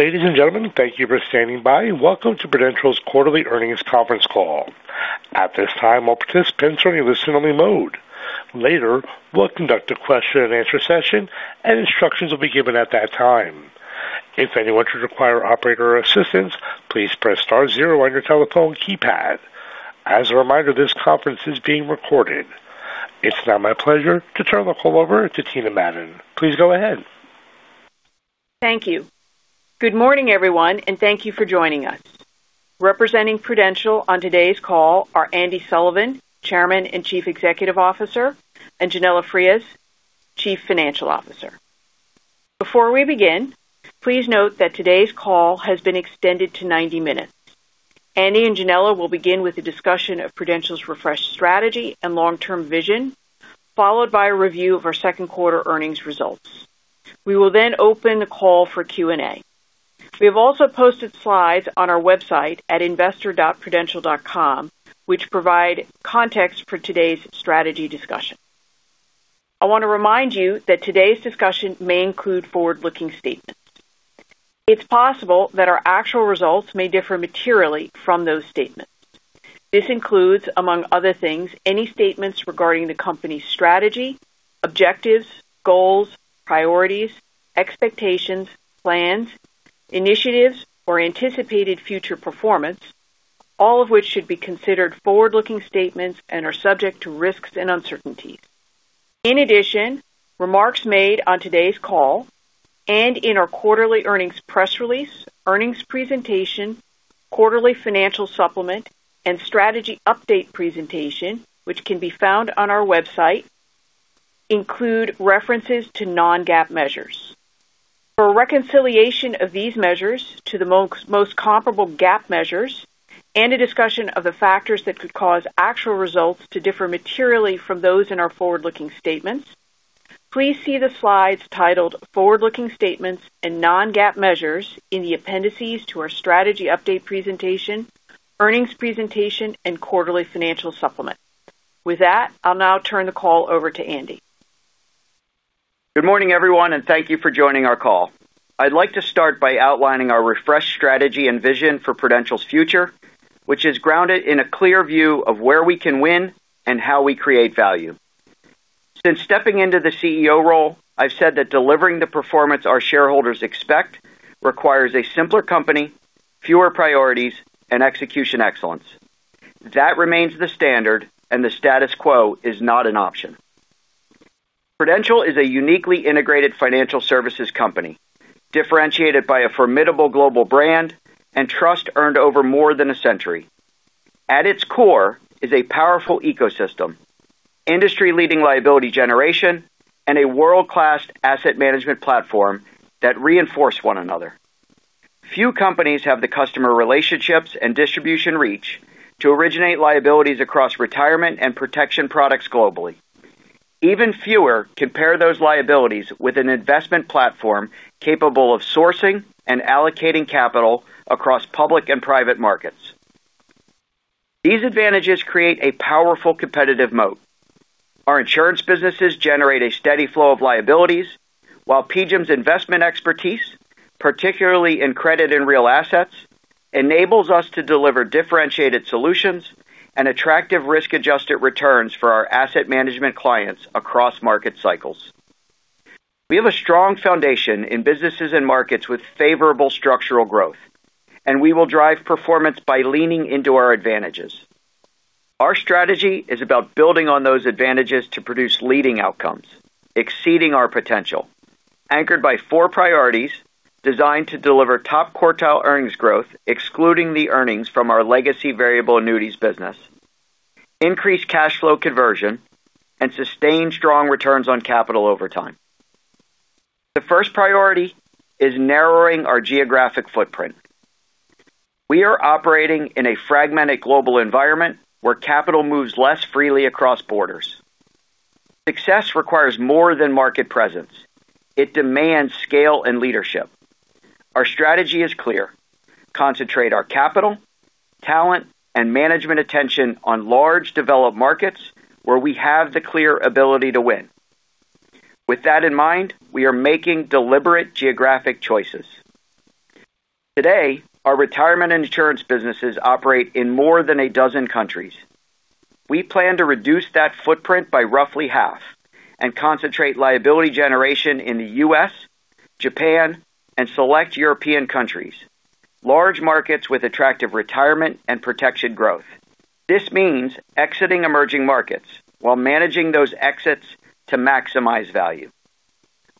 Ladies and gentlemen, thank you for standing by. Welcome to Prudential's quarterly earnings conference call. At this time, all participants are in listen-only mode. Later, we'll conduct a question-and-answer session, and instructions will be given at that time. If anyone should require operator assistance, please press star zero on your telephone keypad. As a reminder, this conference is being recorded. It's now my pleasure to turn the call over to Tina Madon. Please go ahead. Thank you. Good morning, everyone, and thank you for joining us. Representing Prudential on today's call are Andrew Sullivan, Chairman and Chief Executive Officer, and Yanela Frias, Chief Financial Officer. Before we begin, please note that today's call has been extended to 90 minutes. Andy and Yanela will begin with a discussion of Prudential's refreshed strategy and long-term vision, followed by a review of our second quarter earnings results. We will open the call for Q&A. We have also posted slides on our website at investor.prudential.com which provide context for today's strategy discussion. I want to remind you that today's discussion may include forward-looking statements. It's possible that our actual results may differ materially from those statements. This includes, among other things, any statements regarding the company's strategy, objectives, goals, priorities, expectations, plans, initiatives, or anticipated future performance, all of which should be considered forward-looking statements and are subject to risks and uncertainties. In addition, remarks made on today's call and in our quarterly earnings press release, earnings presentation, quarterly financial supplement and strategy update presentation, which can be found on our website, include references to non-GAAP measures. For a reconciliation of these measures to the most comparable GAAP measures and a discussion of the factors that could cause actual results to differ materially from those in our forward-looking statements, please see the slides titled Forward-Looking Statements and Non-GAAP Measures in the appendices to our strategy update presentation, earnings presentation, and quarterly financial supplement. With that, I'll now turn the call over to Andy. Good morning, everyone, and thank you for joining our call. I'd like to start by outlining our refreshed strategy and vision for Prudential's future, which is grounded in a clear view of where we can win and how we create value. Since stepping into the CEO role, I've said that delivering the performance our shareholders expect requires a simpler company, fewer priorities, and execution excellence. That remains the standard. The status quo is not an option. Prudential is a uniquely integrated financial services company, differentiated by a formidable global brand and trust earned over more than a century. At its core is a powerful ecosystem, industry-leading liability generation, and a world-class asset management platform that reinforce one another. Few companies have the customer relationships and distribution reach to originate liabilities across retirement and protection products globally. Even fewer compare those liabilities with an investment platform capable of sourcing and allocating capital across public and private markets. These advantages create a powerful competitive moat. Our insurance businesses generate a steady flow of liabilities, while PGIM's investment expertise, particularly in credit and real assets, enables us to deliver differentiated solutions and attractive risk-adjusted returns for our asset management clients across market cycles. We have a strong foundation in businesses and markets with favorable structural growth, and we will drive performance by leaning into our advantages. Our strategy is about building on those advantages to produce leading outcomes, exceeding our potential, anchored by four priorities designed to deliver top-quartile earnings growth, excluding the earnings from our legacy variable annuities business, increase cash flow conversion, and sustain strong returns on capital over time. The first priority is narrowing our geographic footprint. We are operating in a fragmented global environment where capital moves less freely across borders. Success requires more than market presence. It demands scale and leadership. Our strategy is clear: concentrate our capital, talent, and management attention on large developed markets where we have the clear ability to win. With that in mind, we are making deliberate geographic choices. Today, our retirement and insurance businesses operate in more than a dozen countries. We plan to reduce that footprint by roughly half and concentrate liability generation in the U.S., Japan, and select European countries, large markets with attractive retirement and protection growth. This means exiting emerging markets while managing those exits to maximize value.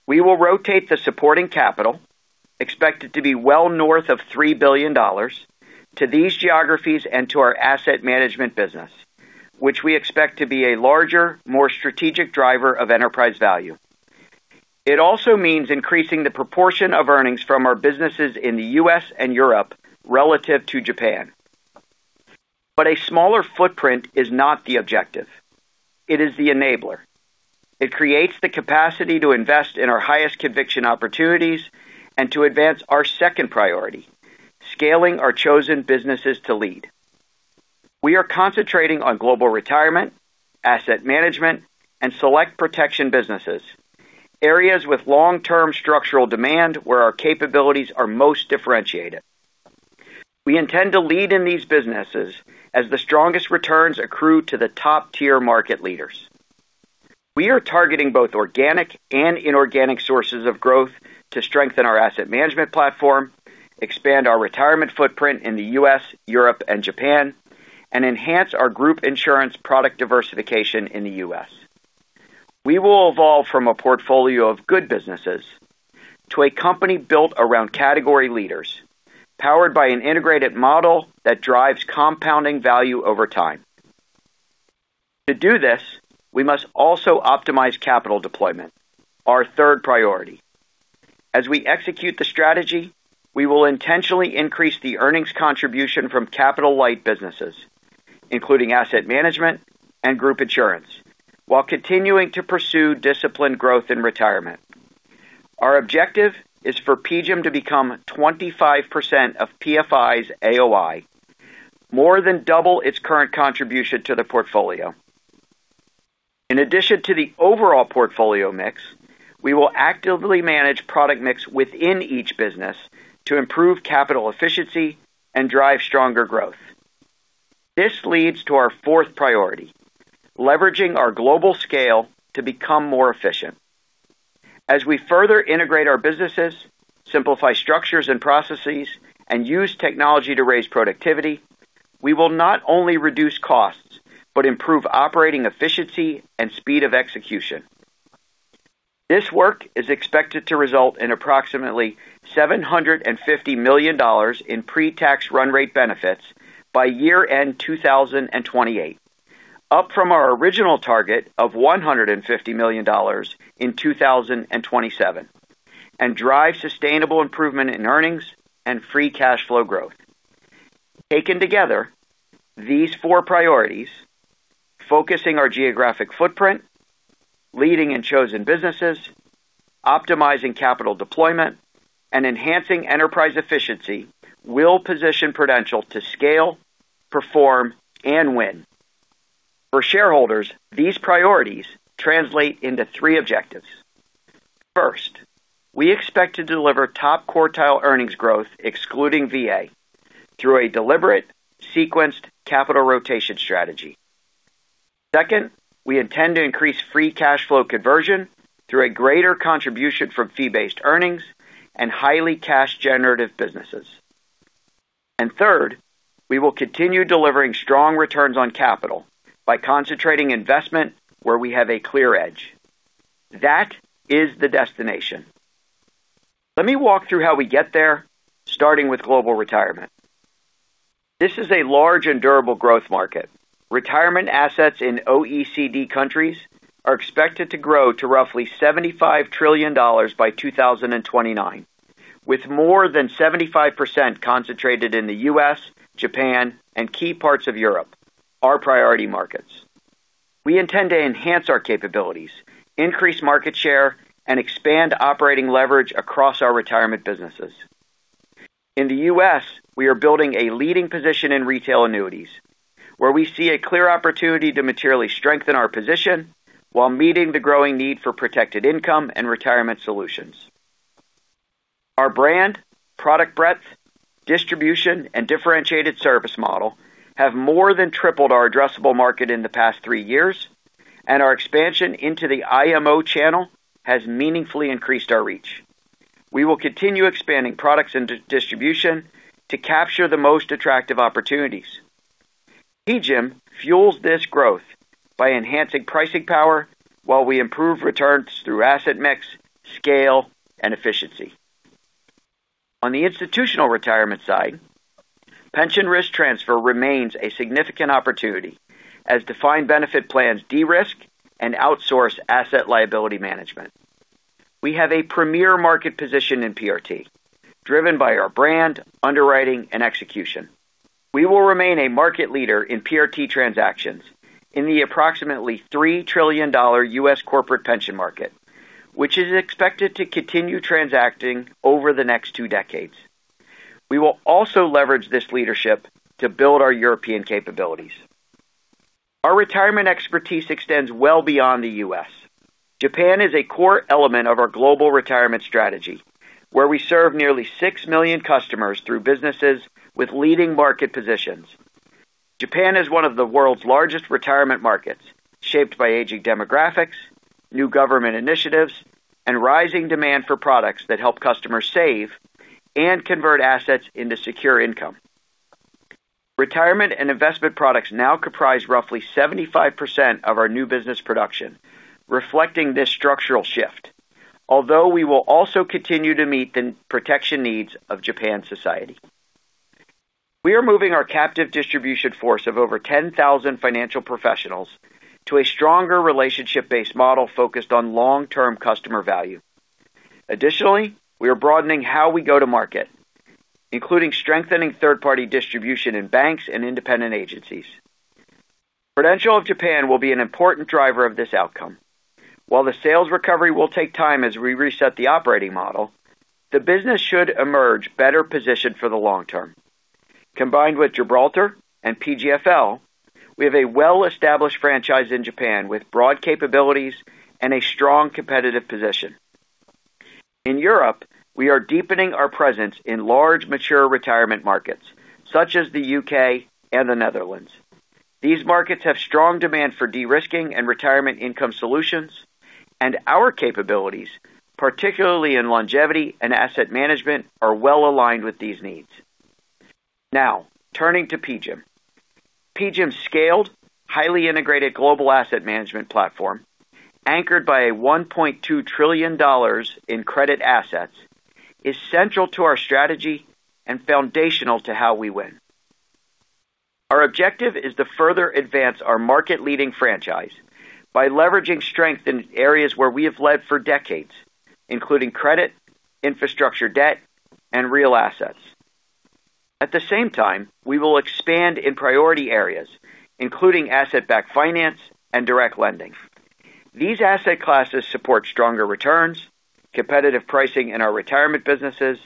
We will rotate the supporting capital, expected to be well north of $3 billion, to these geographies and to our asset management business, which we expect to be a larger, more strategic driver of enterprise value. It also means increasing the proportion of earnings from our businesses in the U.S. and Europe relative to Japan. A smaller footprint is not the objective. It is the enabler. It creates the capacity to invest in our highest conviction opportunities and to advance our second priority, scaling our chosen businesses to lead. We are concentrating on global retirement, asset management, and select protection businesses, areas with long-term structural demand where our capabilities are most differentiated. We intend to lead in these businesses as the strongest returns accrue to the top-tier market leaders. We are targeting both organic and inorganic sources of growth to strengthen our asset management platform, expand our retirement footprint in the U.S., Europe, and Japan, and enhance our group insurance product diversification in the U.S. We will evolve from a portfolio of good businesses to a company built around category leaders, powered by an integrated model that drives compounding value over time. To do this, we must also optimize capital deployment, our third priority. As we execute the strategy, we will intentionally increase the earnings contribution from capital-light businesses, including asset management and group insurance, while continuing to pursue disciplined growth in retirement. Our objective is for PGIM to become 25% of PFI's AOI, more than double its current contribution to the portfolio. In addition to the overall portfolio mix, we will actively manage product mix within each business to improve capital efficiency and drive stronger growth. This leads to our fourth priority, leveraging our global scale to become more efficient. As we further integrate our businesses, simplify structures and processes, and use technology to raise productivity, we will not only reduce costs but improve operating efficiency and speed of execution. This work is expected to result in approximately $750 million in pre-tax run rate benefits by year-end 2028, up from our original target of $150 million in 2027, and drive sustainable improvement in earnings and free cash flow growth. Taken together, these four priorities, focusing our geographic footprint, leading in chosen businesses, optimizing capital deployment, and enhancing enterprise efficiency, will position Prudential to scale, perform, and win. For shareholders, these priorities translate into three objectives. First, we expect to deliver top-quartile earnings growth excluding VA through a deliberate sequenced capital rotation strategy. Second, we intend to increase free cash flow conversion through a greater contribution from fee-based earnings and highly cash-generative businesses. Third, we will continue delivering strong returns on capital by concentrating investment where we have a clear edge. That is the destination. Let me walk through how we get there, starting with global retirement. This is a large and durable growth market. Retirement assets in OECD countries are expected to grow to roughly $75 trillion by 2029, with more than 75% concentrated in the U.S., Japan, and key parts of Europe, our priority markets. We intend to enhance our capabilities, increase market share, and expand operating leverage across our retirement businesses. In the U.S., we are building a leading position in retail annuities, where we see a clear opportunity to materially strengthen our position while meeting the growing need for protected income and retirement solutions. Our brand, product breadth, distribution, and differentiated service model have more than tripled our addressable market in the past three years, and our expansion into the IMO channel has meaningfully increased our reach. We will continue expanding products and distribution to capture the most attractive opportunities. PGIM fuels this growth by enhancing pricing power while we improve returns through asset mix, scale, and efficiency. On the institutional retirement side, pension risk transfer remains a significant opportunity as defined benefit plans de-risk and outsource asset liability management. We have a premier market position in PRT driven by our brand, underwriting, and execution. We will remain a market leader in PRT transactions in the approximately $3 trillion U.S. corporate pension market, which is expected to continue transacting over the next two decades. We will also leverage this leadership to build our European capabilities. Our retirement expertise extends well beyond the U.S. Japan is a core element of our global retirement strategy, where we serve nearly six million customers through businesses with leading market positions. Japan is one of the world's largest retirement markets, shaped by aging demographics, new government initiatives, and rising demand for products that help customers save and convert assets into secure income. Retirement and investment products now comprise roughly 75% of our new business production, reflecting this structural shift. We will also continue to meet the protection needs of Japan society. We are moving our captive distribution force of over 10,000 financial professionals to a stronger relationship-based model focused on long-term customer value. Additionally, we are broadening how we go to market, including strengthening third-party distribution in banks and independent agencies. Prudential of Japan will be an important driver of this outcome. While the sales recovery will take time as we reset the operating model, the business should emerge better positioned for the long term. Combined with Gibraltar and PGFL, we have a well-established franchise in Japan with broad capabilities and a strong competitive position. In Europe, we are deepening our presence in large, mature retirement markets such as the U.K. and the Netherlands. These markets have strong demand for de-risking and retirement income solutions, and our capabilities, particularly in longevity and asset management, are well aligned with these needs. Turning to PGIM. PGIM's scaled, highly integrated global asset management platform, anchored by $1.2 trillion in credit assets, is central to our strategy and foundational to how we win. Our objective is to further advance our market-leading franchise by leveraging strength in areas where we have led for decades, including credit, infrastructure debt, and real assets. At the same time, we will expand in priority areas, including asset-backed finance and direct lending. These asset classes support stronger returns, competitive pricing in our retirement businesses,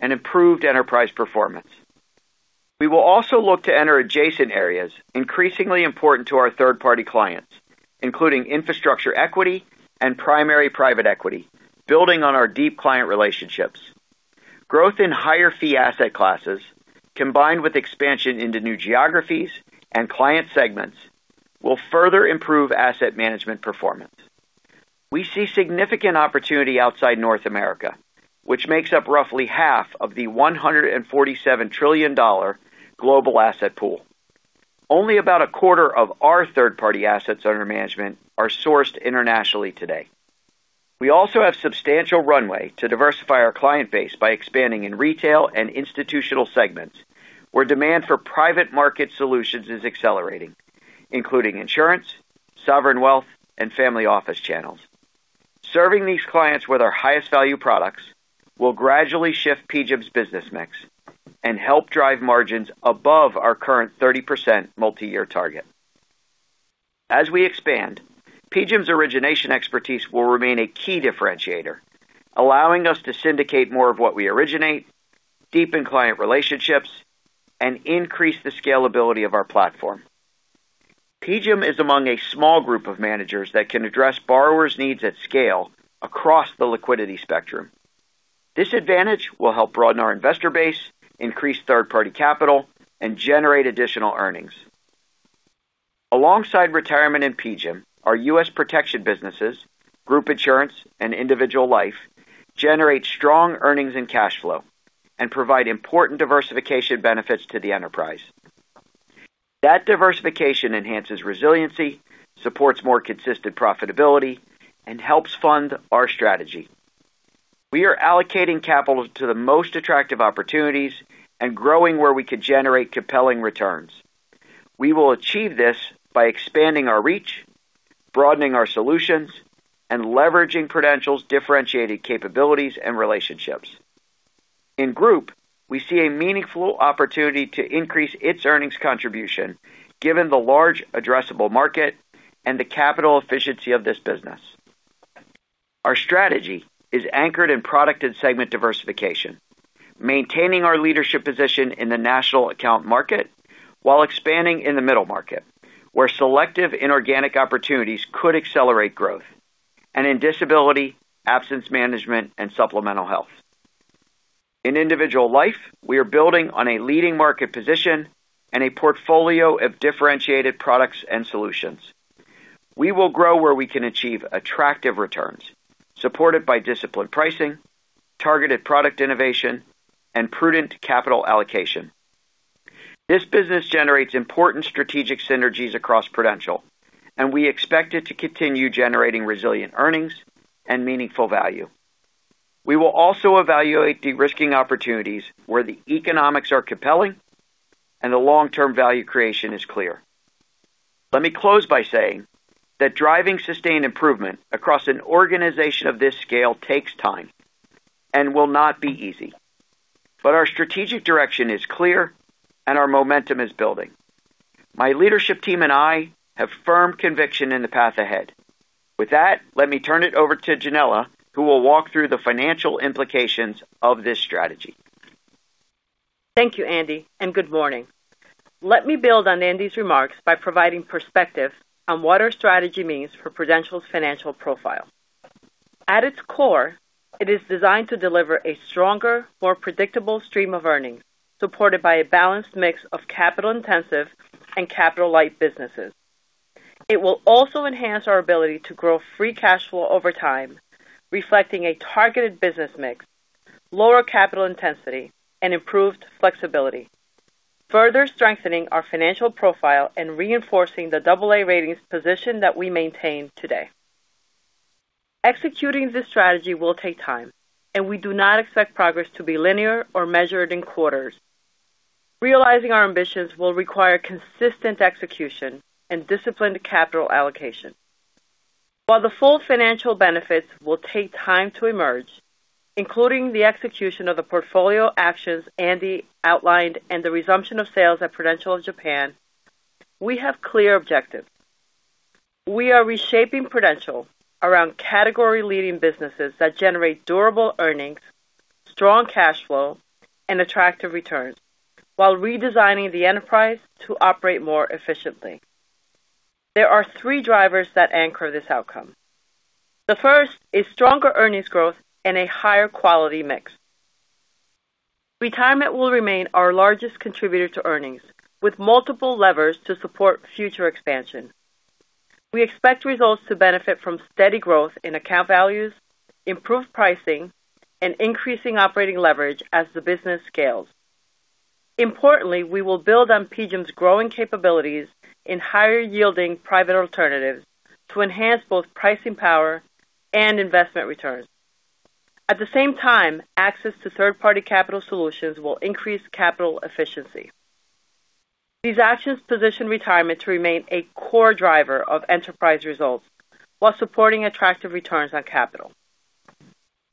and improved enterprise performance. We will also look to enter adjacent areas increasingly important to our third-party clients, including infrastructure equity and primary private equity, building on our deep client relationships. Growth in higher fee asset classes, combined with expansion into new geographies and client segments, will further improve asset management performance. We see significant opportunity outside North America, which makes up roughly half of the $147 trillion global asset pool. Only about a quarter of our third-party assets under management are sourced internationally today. We also have substantial runway to diversify our client base by expanding in retail and institutional segments where demand for private market solutions is accelerating, including insurance, sovereign wealth, and family office channels. Serving these clients with our highest value products will gradually shift PGIM's business mix and help drive margins above our current 30% multi-year target. As we expand, PGIM's origination expertise will remain a key differentiator, allowing us to syndicate more of what we originate, deepen client relationships, and increase the scalability of our platform. PGIM is among a small group of managers that can address borrowers' needs at scale across the liquidity spectrum. This advantage will help broaden our investor base, increase third-party capital, and generate additional earnings. Alongside Retirement and PGIM, our U.S. protection businesses, Group Insurance and Individual Life, generate strong earnings and cash flow and provide important diversification benefits to the enterprise. That diversification enhances resiliency, supports more consistent profitability, and helps fund our strategy. We are allocating capital to the most attractive opportunities and growing where we could generate compelling returns. We will achieve this by expanding our reach, broadening our solutions, and leveraging Prudential's differentiated capabilities and relationships. In Group, we see a meaningful opportunity to increase its earnings contribution given the large addressable market and the capital efficiency of this business. Our strategy is anchored in product and segment diversification, maintaining our leadership position in the national account market while expanding in the middle market, where selective inorganic opportunities could accelerate growth, and in disability, absence management, and supplemental health. In individual life, we are building on a leading market position and a portfolio of differentiated products and solutions. We will grow where we can achieve attractive returns, supported by disciplined pricing, targeted product innovation, and prudent capital allocation. This business generates important strategic synergies across Prudential, and we expect it to continue generating resilient earnings and meaningful value. We will also evaluate de-risking opportunities where the economics are compelling and the long-term value creation is clear. Let me close by saying that driving sustained improvement across an organization of this scale takes time and will not be easy, but our strategic direction is clear and our momentum is building. My leadership team and I have firm conviction in the path ahead. With that, let me turn it over to Yanela, who will walk through the financial implications of this strategy. Thank you, Andy. Good morning. Let me build on Andy's remarks by providing perspective on what our strategy means for Prudential's financial profile. At its core, it is designed to deliver a stronger, more predictable stream of earnings, supported by a balanced mix of capital-intensive and capital-light businesses. It will also enhance our ability to grow free cash flow over time, reflecting a targeted business mix, lower capital intensity, and improved flexibility, further strengthening our financial profile and reinforcing the double A ratings position that we maintain today. Executing this strategy will take time. We do not expect progress to be linear or measured in quarters. Realizing our ambitions will require consistent execution and disciplined capital allocation. While the full financial benefits will take time to emerge, including the execution of the portfolio actions Andy outlined and the resumption of sales at Prudential of Japan, we have clear objectives. We are reshaping Prudential around category-leading businesses that generate durable earnings, strong cash flow, and attractive returns while redesigning the enterprise to operate more efficiently. There are three drivers that anchor this outcome. The first is stronger earnings growth and a higher quality mix. Retirement will remain our largest contributor to earnings, with multiple levers to support future expansion. We expect results to benefit from steady growth in account values, improved pricing, and increasing operating leverage as the business scales. Importantly, we will build on PGIM's growing capabilities in higher-yielding private alternatives to enhance both pricing power and investment returns. At the same time, access to third-party capital solutions will increase capital efficiency. These actions position Retirement to remain a core driver of enterprise results while supporting attractive returns on capital.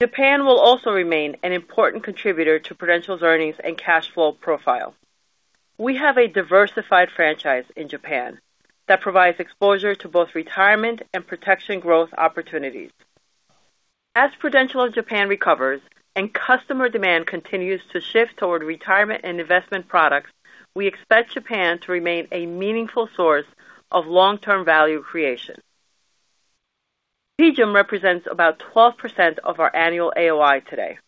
Japan will also remain an important contributor to Prudential's earnings and cash flow profile. We have a diversified franchise in Japan that provides exposure to both Retirement and Protection growth opportunities. As Prudential of Japan recovers and customer demand continues to shift toward retirement and investment products, we expect Japan to remain a meaningful source of long-term value creation. PGIM represents about 12% of our annual AOI today,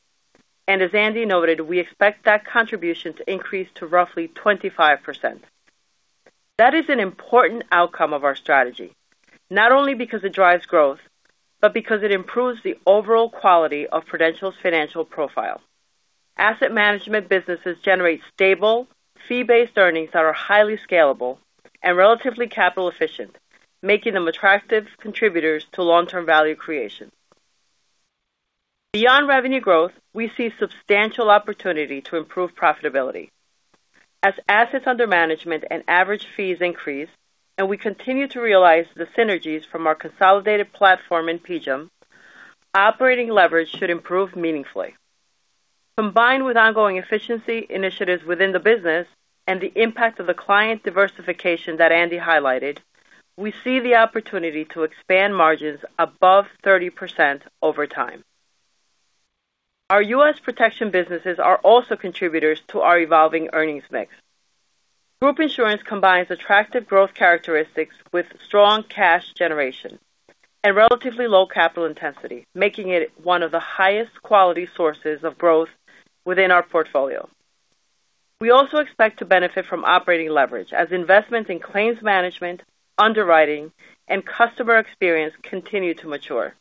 and as Andy noted, we expect that contribution to increase to roughly 25%. That is an important outcome of our strategy, not only because it drives growth, but because it improves the overall quality of Prudential's financial profile. Asset management businesses generate stable fee-based earnings that are highly scalable and relatively capital efficient, making them attractive contributors to long-term value creation. Beyond revenue growth, we see substantial opportunity to improve profitability. As assets under management and average fees increase, and we continue to realize the synergies from our consolidated platform in PGIM, operating leverage should improve meaningfully. Combined with ongoing efficiency initiatives within the business and the impact of the client diversification that Andy highlighted, we see the opportunity to expand margins above 30% over time. Our U.S. Protection businesses are also contributors to our evolving earnings mix. Group Insurance combines attractive growth characteristics with strong cash generation and relatively low capital intensity, making it one of the highest quality sources of growth within our portfolio. We also expect to benefit from operating leverage as investments in claims management, underwriting, and customer experience continue to mature.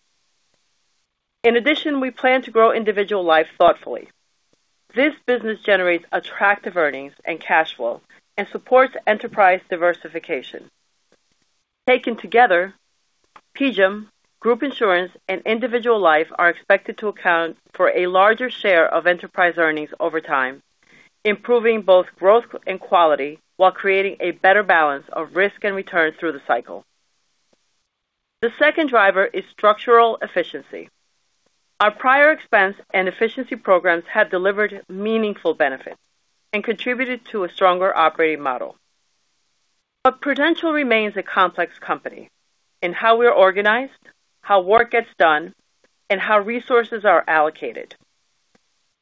In addition, we plan to grow Individual Life thoughtfully. This business generates attractive earnings and cash flow and supports enterprise diversification. Taken together, PGIM, Group Insurance, and Individual Life are expected to account for a larger share of enterprise earnings over time, improving both growth and quality while creating a better balance of risk and returns through the cycle. The second driver is structural efficiency. Our prior expense and efficiency programs have delivered meaningful benefits and contributed to a stronger operating model. Prudential remains a complex company in how we are organized, how work gets done, and how resources are allocated.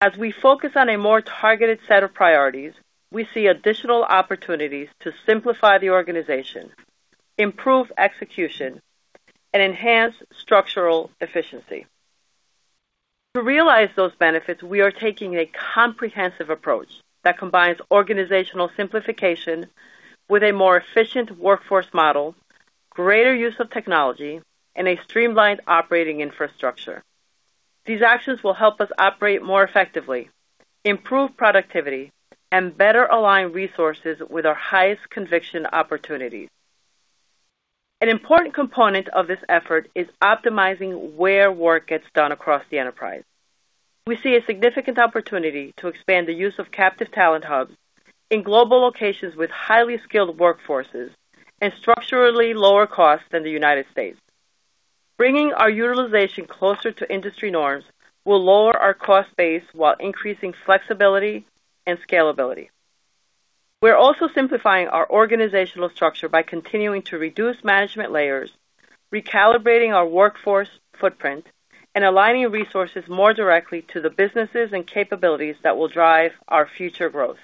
As we focus on a more targeted set of priorities, we see additional opportunities to simplify the organization, improve execution, and enhance structural efficiency. To realize those benefits, we are taking a comprehensive approach that combines organizational simplification with a more efficient workforce model, greater use of technology, and a streamlined operating infrastructure. These actions will help us operate more effectively, improve productivity, and better align resources with our highest conviction opportunities. An important component of this effort is optimizing where work gets done across the enterprise. We see a significant opportunity to expand the use of captive talent hubs in global locations with highly skilled workforces and structurally lower costs than the United States. Bringing our utilization closer to industry norms will lower our cost base while increasing flexibility and scalability. We are also simplifying our organizational structure by continuing to reduce management layers, recalibrating our workforce footprint, and aligning resources more directly to the businesses and capabilities that will drive our future growth.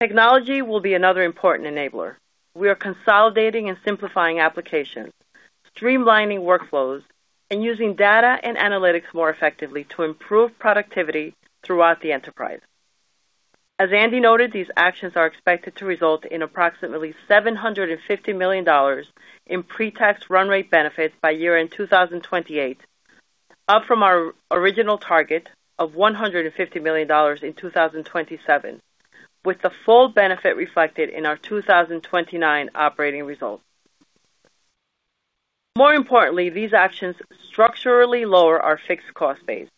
Technology will be another important enabler. We are consolidating and simplifying applications, streamlining workflows, and using data and analytics more effectively to improve productivity throughout the enterprise. As Andy noted, these actions are expected to result in approximately $750 million in pre-tax run rate benefits by year-end 2028, up from our original target of $150 million in 2027, with the full benefit reflected in our 2029 operating results. More importantly, these actions structurally lower our fixed cost base.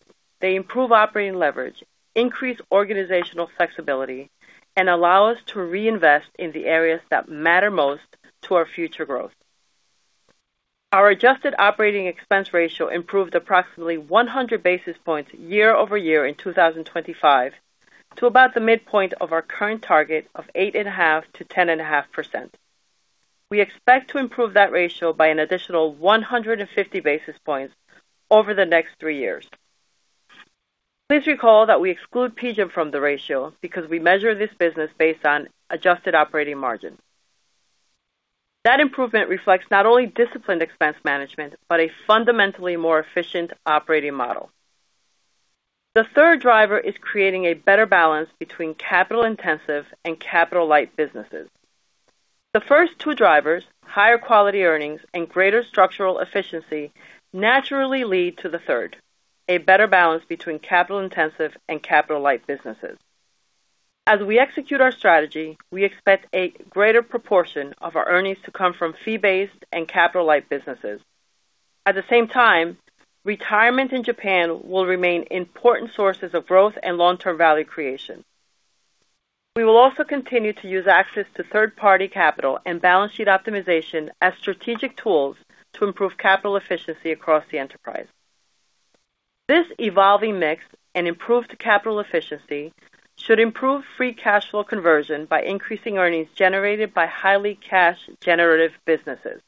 They improve operating leverage, increase organizational flexibility, and allow us to reinvest in the areas that matter most to our future growth. Our adjusted operating expense ratio improved approximately 100 basis points year-over-year in 2025 to about the midpoint of our current target of 8.5%-10.5%. We expect to improve that ratio by an additional 150 basis points over the next three years. Please recall that we exclude PGIM from the ratio because we measure this business based on adjusted operating margin. That improvement reflects not only disciplined expense management, but a fundamentally more efficient operating model. The third driver is creating a better balance between capital-intensive and capital-light businesses. The first two drivers, higher quality earnings and greater structural efficiency, naturally lead to the third, a better balance between capital-intensive and capital-light businesses. As we execute our strategy, we expect a greater proportion of our earnings to come from fee-based and capital-light businesses. At the same time, retirement in Japan will remain important sources of growth and long-term value creation. We will also continue to use access to third-party capital and balance sheet optimization as strategic tools to improve capital efficiency across the enterprise. This evolving mix and improved capital efficiency should improve free cash flow conversion by increasing earnings generated by highly cash-generative businesses.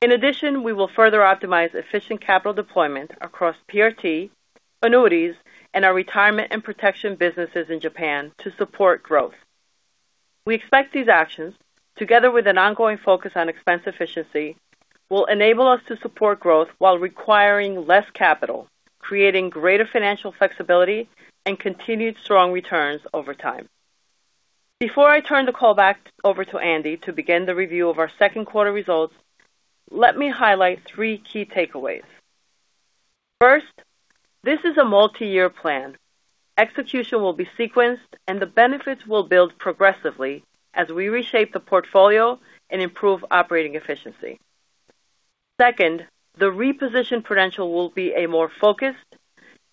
In addition, we will further optimize efficient capital deployment across PRT, annuities, and our retirement and protection businesses in Japan to support growth. We expect these actions, together with an ongoing focus on expense efficiency, will enable us to support growth while requiring less capital, creating greater financial flexibility and continued strong returns over time. Before I turn the call back over to Andy to begin the review of our second quarter results, let me highlight three key takeaways. First, this is a multi-year plan. Execution will be sequenced, and the benefits will build progressively as we reshape the portfolio and improve operating efficiency. Second, the repositioned Prudential will be a more focused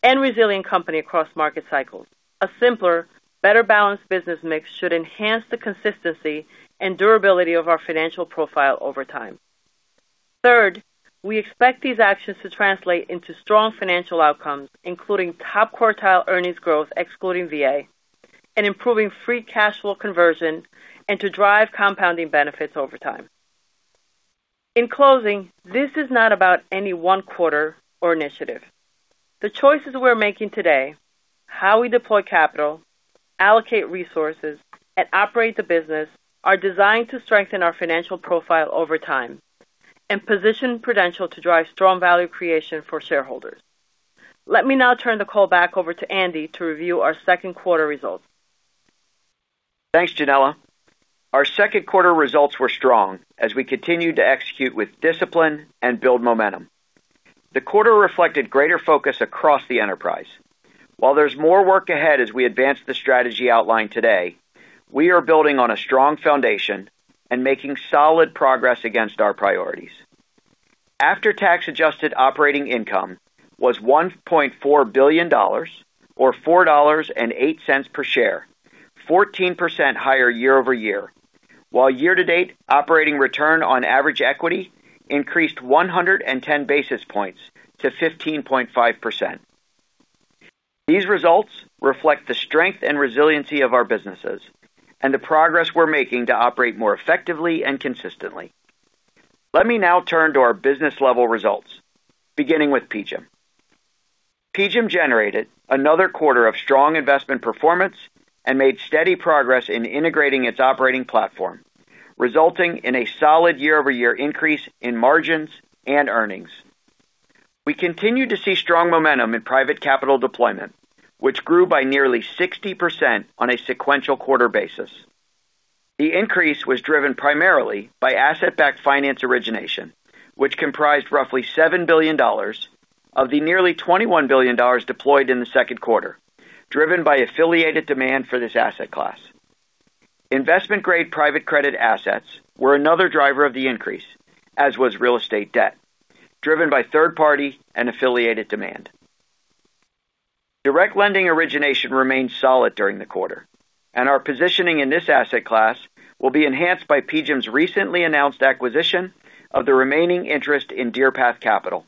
and resilient company across market cycles. A simpler, better-balanced business mix should enhance the consistency and durability of our financial profile over time. Third, we expect these actions to translate into strong financial outcomes, including top-quartile earnings growth excluding VA, and improving free cash flow conversion, and to drive compounding benefits over time. In closing, this is not about any one quarter or initiative. The choices we're making today, how we deploy capital, allocate resources, and operate the business, are designed to strengthen our financial profile over time and position Prudential to drive strong value creation for shareholders. Let me now turn the call back over to Andy to review our second quarter results. Thanks, Yanela. Our second quarter results were strong as we continued to execute with discipline and build momentum. The quarter reflected greater focus across the enterprise. While there's more work ahead as we advance the strategy outlined today, we are building on a strong foundation and making solid progress against our priorities. After-tax adjusted operating income was $1.4 billion, or $4.08 per share, 14% higher year-over-year, while year-to-date operating return on average equity increased 110 basis points to 15.5%. These results reflect the strength and resiliency of our businesses and the progress we're making to operate more effectively and consistently. Let me now turn to our business-level results, beginning with PGIM. PGIM generated another quarter of strong investment performance and made steady progress in integrating its operating platform, resulting in a solid year-over-year increase in margins and earnings. We continued to see strong momentum in private capital deployment, which grew by nearly 60% on a sequential quarter basis. The increase was driven primarily by asset-backed finance origination, which comprised roughly $7 billion of the nearly $21 billion deployed in the second quarter, driven by affiliated demand for this asset class. Investment-grade private credit assets were another driver of the increase, as was real estate debt, driven by third-party and affiliated demand. Direct lending origination remained solid during the quarter, and our positioning in this asset class will be enhanced by PGIM's recently announced acquisition of the remaining interest in Deerpath Capital.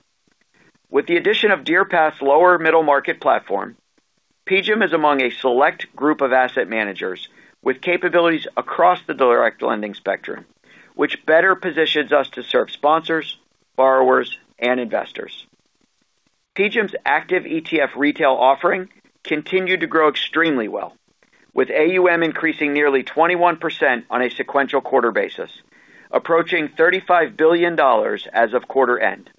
With the addition of Deerpath's lower middle market platform, PGIM is among a select group of asset managers with capabilities across the direct lending spectrum, which better positions us to serve sponsors, borrowers, and investors. PGIM's active ETF retail offering continued to grow extremely well, with AUM increasing nearly 21% on a sequential quarter basis, approaching $35 billion as of quarter end.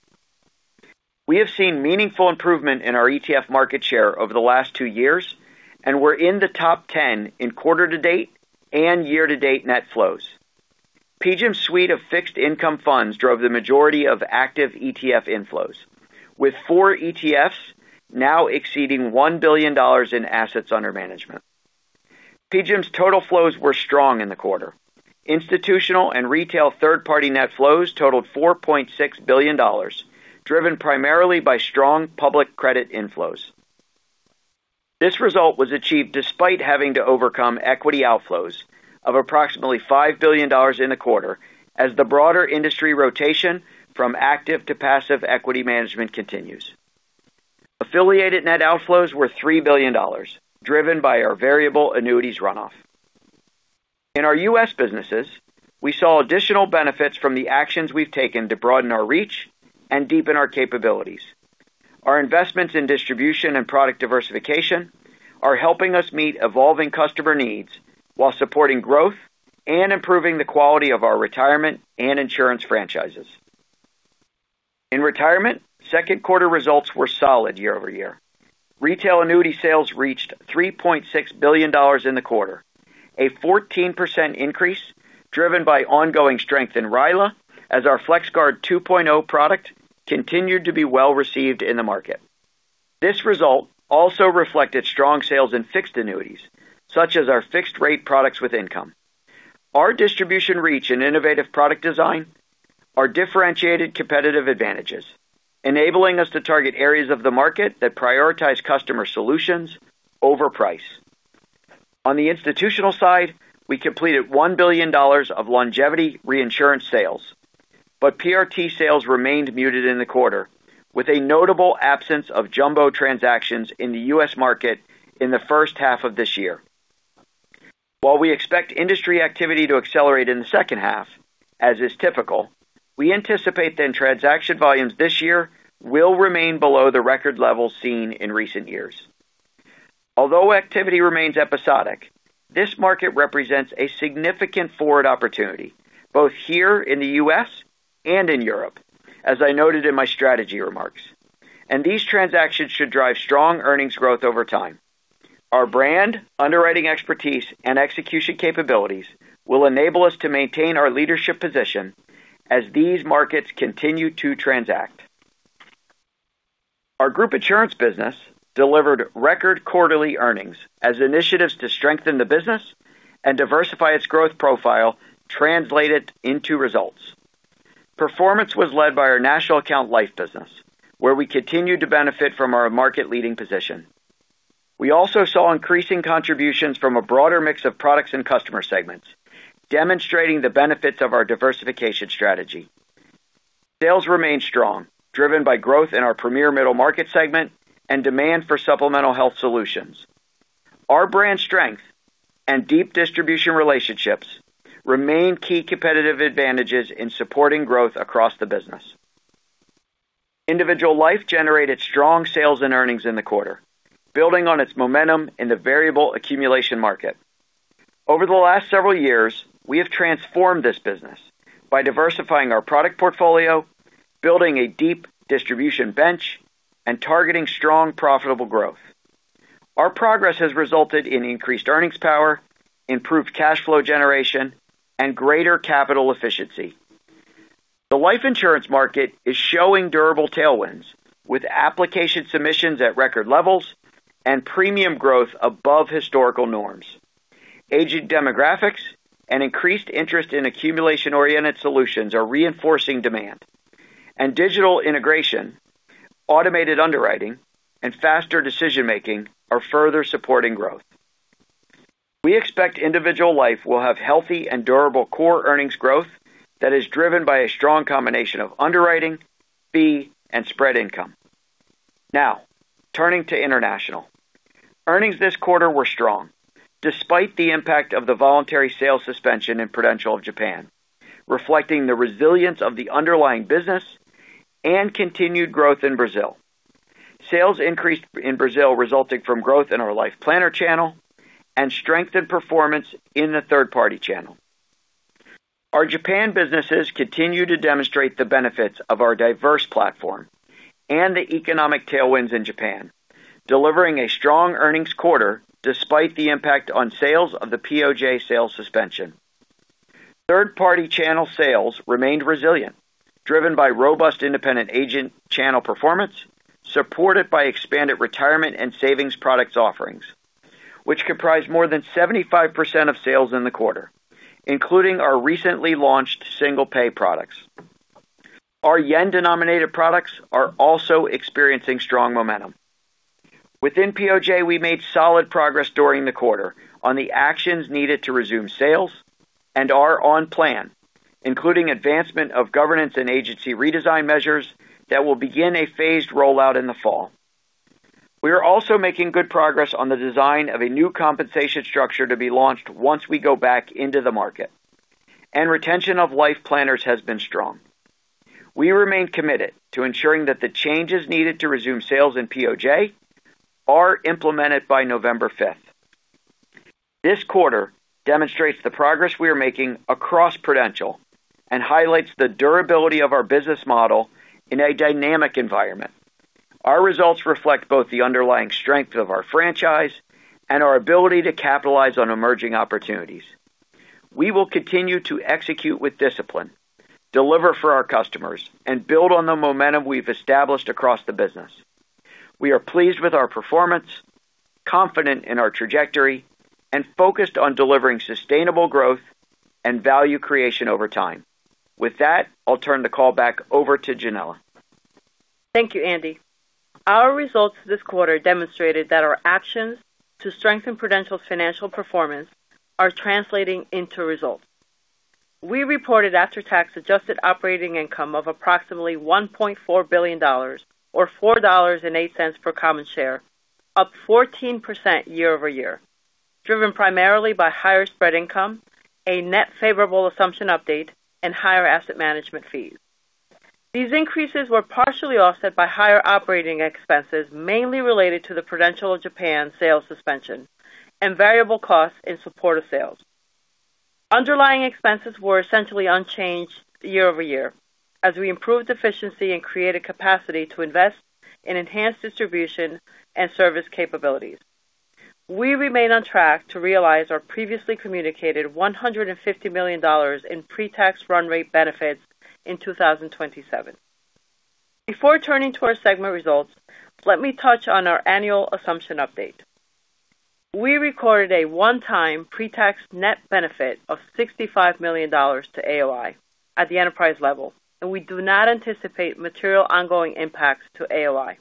We have seen meaningful improvement in our ETF market share over the last two years, and we're in the top 10 in quarter-to-date and year-to-date net flows. PGIM's suite of fixed income funds drove the majority of active ETF inflows, with four ETFs now exceeding $1 billion in assets under management. PGIM's total flows were strong in the quarter. Institutional and retail third-party net flows totaled $4.6 billion, driven primarily by strong public credit inflows. This result was achieved despite having to overcome equity outflows of approximately $5 billion in the quarter as the broader industry rotation from active to passive equity management continues. Affiliated net outflows were $3 billion, driven by our variable annuities runoff. In our U.S. businesses, we saw additional benefits from the actions we've taken to broaden our reach and deepen our capabilities. Our investments in distribution and product diversification are helping us meet evolving customer needs while supporting growth and improving the quality of our retirement and insurance franchises. In retirement, second quarter results were solid year-over-year. Retail annuity sales reached $3.6 billion in the quarter, a 14% increase driven by ongoing strength in RILA as our FlexGuard 2.0 product continued to be well-received in the market. This result also reflected strong sales in fixed annuities, such as our fixed rate products with income. Our distribution reach and innovative product design are differentiated competitive advantages, enabling us to target areas of the market that prioritize customer solutions over price. On the institutional side, we completed $1 billion of longevity reinsurance sales, but PRT sales remained muted in the quarter, with a notable absence of jumbo transactions in the U.S. market in the first half of this year. While we expect industry activity to accelerate in the second half, as is typical, we anticipate that transaction volumes this year will remain below the record levels seen in recent years. Although activity remains episodic, this market represents a significant forward opportunity, both here in the U.S. and in Europe, as I noted in my strategy remarks. These transactions should drive strong earnings growth over time. Our brand, underwriting expertise, and execution capabilities will enable us to maintain our leadership position as these markets continue to transact. Our group insurance business delivered record quarterly earnings as initiatives to strengthen the business and diversify its growth profile translated into results. Performance was led by our National Account Life business, where we continued to benefit from our market-leading position. We also saw increasing contributions from a broader mix of products and customer segments, demonstrating the benefits of our diversification strategy. Sales remained strong, driven by growth in our premier middle market segment and demand for supplemental health solutions. Our brand strength and deep distribution relationships remain key competitive advantages in supporting growth across the business. Individual Life generated strong sales and earnings in the quarter, building on its momentum in the variable accumulation market. Over the last several years, we have transformed this business by diversifying our product portfolio, building a deep distribution bench, and targeting strong profitable growth. Our progress has resulted in increased earnings power, improved cash flow generation, and greater capital efficiency. The life insurance market is showing durable tailwinds, with application submissions at record levels and premium growth above historical norms. Aging demographics and increased interest in accumulation-oriented solutions are reinforcing demand, digital integration, automated underwriting, and faster decision-making are further supporting growth. We expect Individual Life will have healthy and durable core earnings growth that is driven by a strong combination of underwriting, fee, and spread income. Turning to international. Earnings this quarter were strong, despite the impact of the voluntary sales suspension in Prudential of Japan, reflecting the resilience of the underlying business and continued growth in Brazil. Sales increased in Brazil resulting from growth in our Life Planner channel and strengthened performance in the third-party channel. Our Japan businesses continue to demonstrate the benefits of our diverse platform and the economic tailwinds in Japan, delivering a strong earnings quarter despite the impact on sales of the POJ sales suspension. Third-party channel sales remained resilient, driven by robust independent agent channel performance, supported by expanded retirement and savings products offerings, which comprised more than 75% of sales in the quarter, including our recently launched single-pay products. Our yen-denominated products are also experiencing strong momentum. Within POJ, we made solid progress during the quarter on the actions needed to resume sales and are on plan, including advancement of governance and agency redesign measures that will begin a phased rollout in the fall. We are also making good progress on the design of a new compensation structure to be launched once we go back into the market. Retention of Life Planners has been strong. We remain committed to ensuring that the changes needed to resume sales in POJ are implemented by November 5th. This quarter demonstrates the progress we are making across Prudential and highlights the durability of our business model in a dynamic environment. Our results reflect both the underlying strength of our franchise and our ability to capitalize on emerging opportunities. We will continue to execute with discipline, deliver for our customers, and build on the momentum we've established across the business. We are pleased with our performance, confident in our trajectory, and focused on delivering sustainable growth and value creation over time. With that, I'll turn the call back over to Yanela. Thank you, Andy. Our results this quarter demonstrated that our actions to strengthen Prudential's financial performance are translating into results. We reported after-tax adjusted operating income of approximately $1.4 billion, or $4.08 per common share, up 14% year-over-year, driven primarily by higher spread income, a net favorable assumption update, and higher asset management fees. These increases were partially offset by higher operating expenses, mainly related to the Prudential Japan sales suspension and variable costs in support of sales. Underlying expenses were essentially unchanged year-over-year as we improved efficiency and created capacity to invest in enhanced distribution and service capabilities. We remain on track to realize our previously communicated $150 million in pre-tax run rate benefits in 2027. Before turning to our segment results, let me touch on our annual assumption update. We recorded a one-time pre-tax net benefit of $65 million to AOI at the enterprise level, we do not anticipate material ongoing impacts to AOI.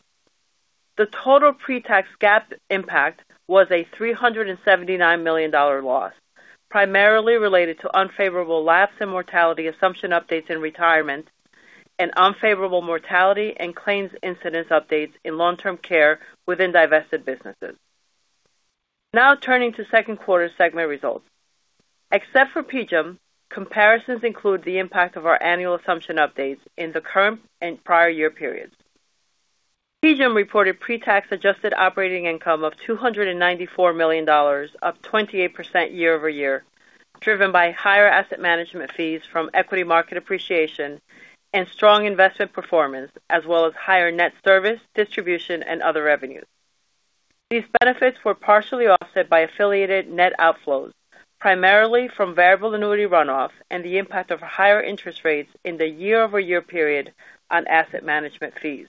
The total pre-tax GAAP impact was a $379 million loss, primarily related to unfavorable lapse in mortality assumption updates in retirement and unfavorable mortality and claims incidence updates in long-term care within divested businesses. Now turning to second quarter segment results. Except for PGIM, comparisons include the impact of our annual assumption updates in the current and prior year periods. PGIM reported pre-tax adjusted operating income of $294 million, up 28% year-over-year, driven by higher asset management fees from equity market appreciation and strong investment performance, as well as higher net service, distribution, and other revenues. These benefits were partially offset by affiliated net outflows, primarily from variable annuity runoff and the impact of higher interest rates in the year-over-year period on asset management fees.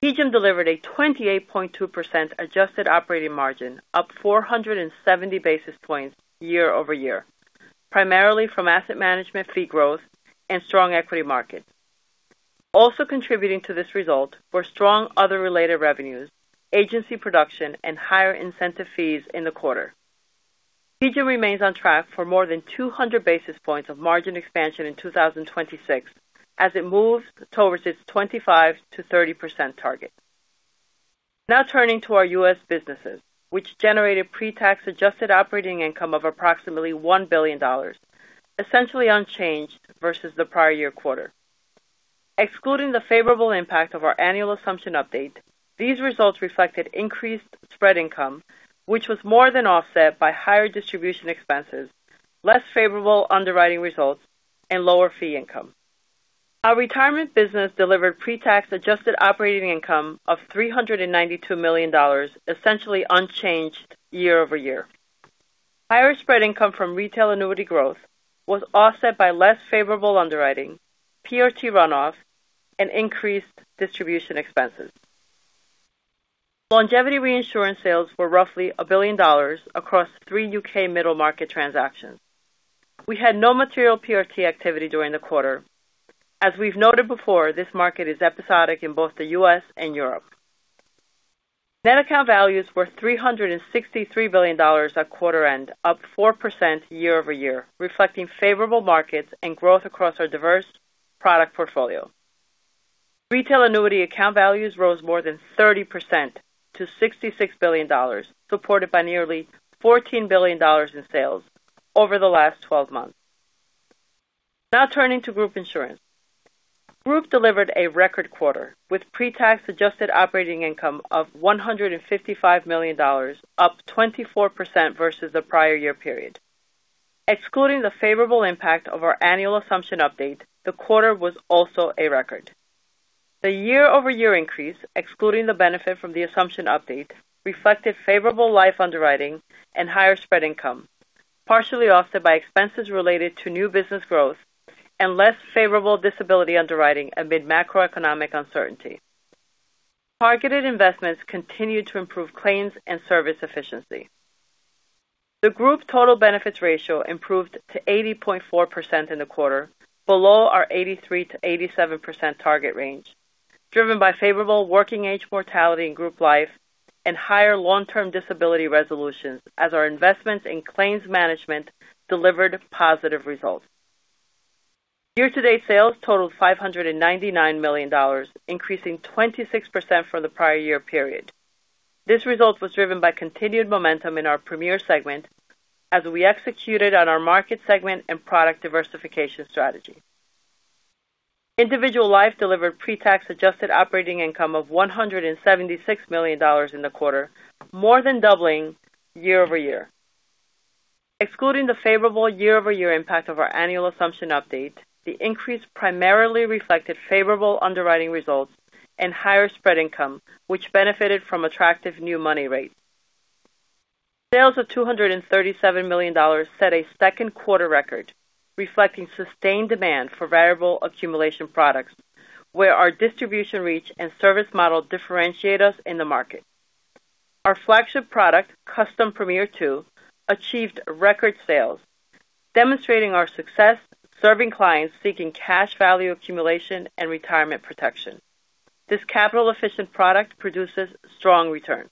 PGIM delivered a 28.2% adjusted operating margin, up 470 basis points year-over-year, primarily from asset management fee growth and strong equity markets. Also contributing to this result were strong other related revenues, agency production, and higher incentive fees in the quarter. PGIM remains on track for more than 200 basis points of margin expansion in 2026 as it moves towards its 25%-30% target. Now turning to our U.S. businesses, which generated pre-tax adjusted operating income of approximately $1 billion, essentially unchanged versus the prior year quarter. Excluding the favorable impact of our annual assumption update, these results reflected increased spread income, which was more than offset by higher distribution expenses, less favorable underwriting results, and lower fee income. Our retirement business delivered pre-tax adjusted operating income of $392 million, essentially unchanged year-over-year. Higher spread income from retail annuity growth was offset by less favorable underwriting, PRT runoff, and increased distribution expenses. Longevity reinsurance sales were roughly $1 billion across three U.K. middle-market transactions. We had no material PRT activity during the quarter. As we've noted before, this market is episodic in both the U.S. and Europe. Net account values were $363 billion at quarter end, up 4% year-over-year, reflecting favorable markets and growth across our diverse product portfolio. Retail annuity account values rose more than 30% to $66 billion, supported by nearly $14 billion in sales over the last 12 months. Now turning to group insurance. Group delivered a record quarter, with pre-tax adjusted operating income of $155 million, up 24% versus the prior year-over-year period. Excluding the favorable impact of our annual assumption update, the quarter was also a record. The year-over-year increase, excluding the benefit from the assumption update, reflected favorable life underwriting and higher spread income, partially offset by expenses related to new business growth and less favorable disability underwriting amid macroeconomic uncertainty. Targeted investments continued to improve claims and service efficiency. The group total benefits ratio improved to 80.4% in the quarter, below our 83%-87% target range, driven by favorable working-age mortality in group life and higher long-term disability resolutions as our investments in claims management delivered positive results. Year-to-date sales totaled $599 million, increasing 26% from the prior year period. This result was driven by continued momentum in our premier segment as we executed on our market segment and product diversification strategy. Individual Life delivered pre-tax adjusted operating income of $176 million in the quarter, more than doubling year-over-year. Excluding the favorable year-over-year impact of our annual assumption update, the increase primarily reflected favorable underwriting results and higher spread income, which benefited from attractive new money rates. Sales of $237 million set a second quarter record, reflecting sustained demand for variable accumulation products where our distribution reach and service model differentiate us in the market. Our flagship product, Custom Premier II, achieved record sales, demonstrating our success serving clients seeking cash value accumulation and retirement protection. This capital-efficient product produces strong returns.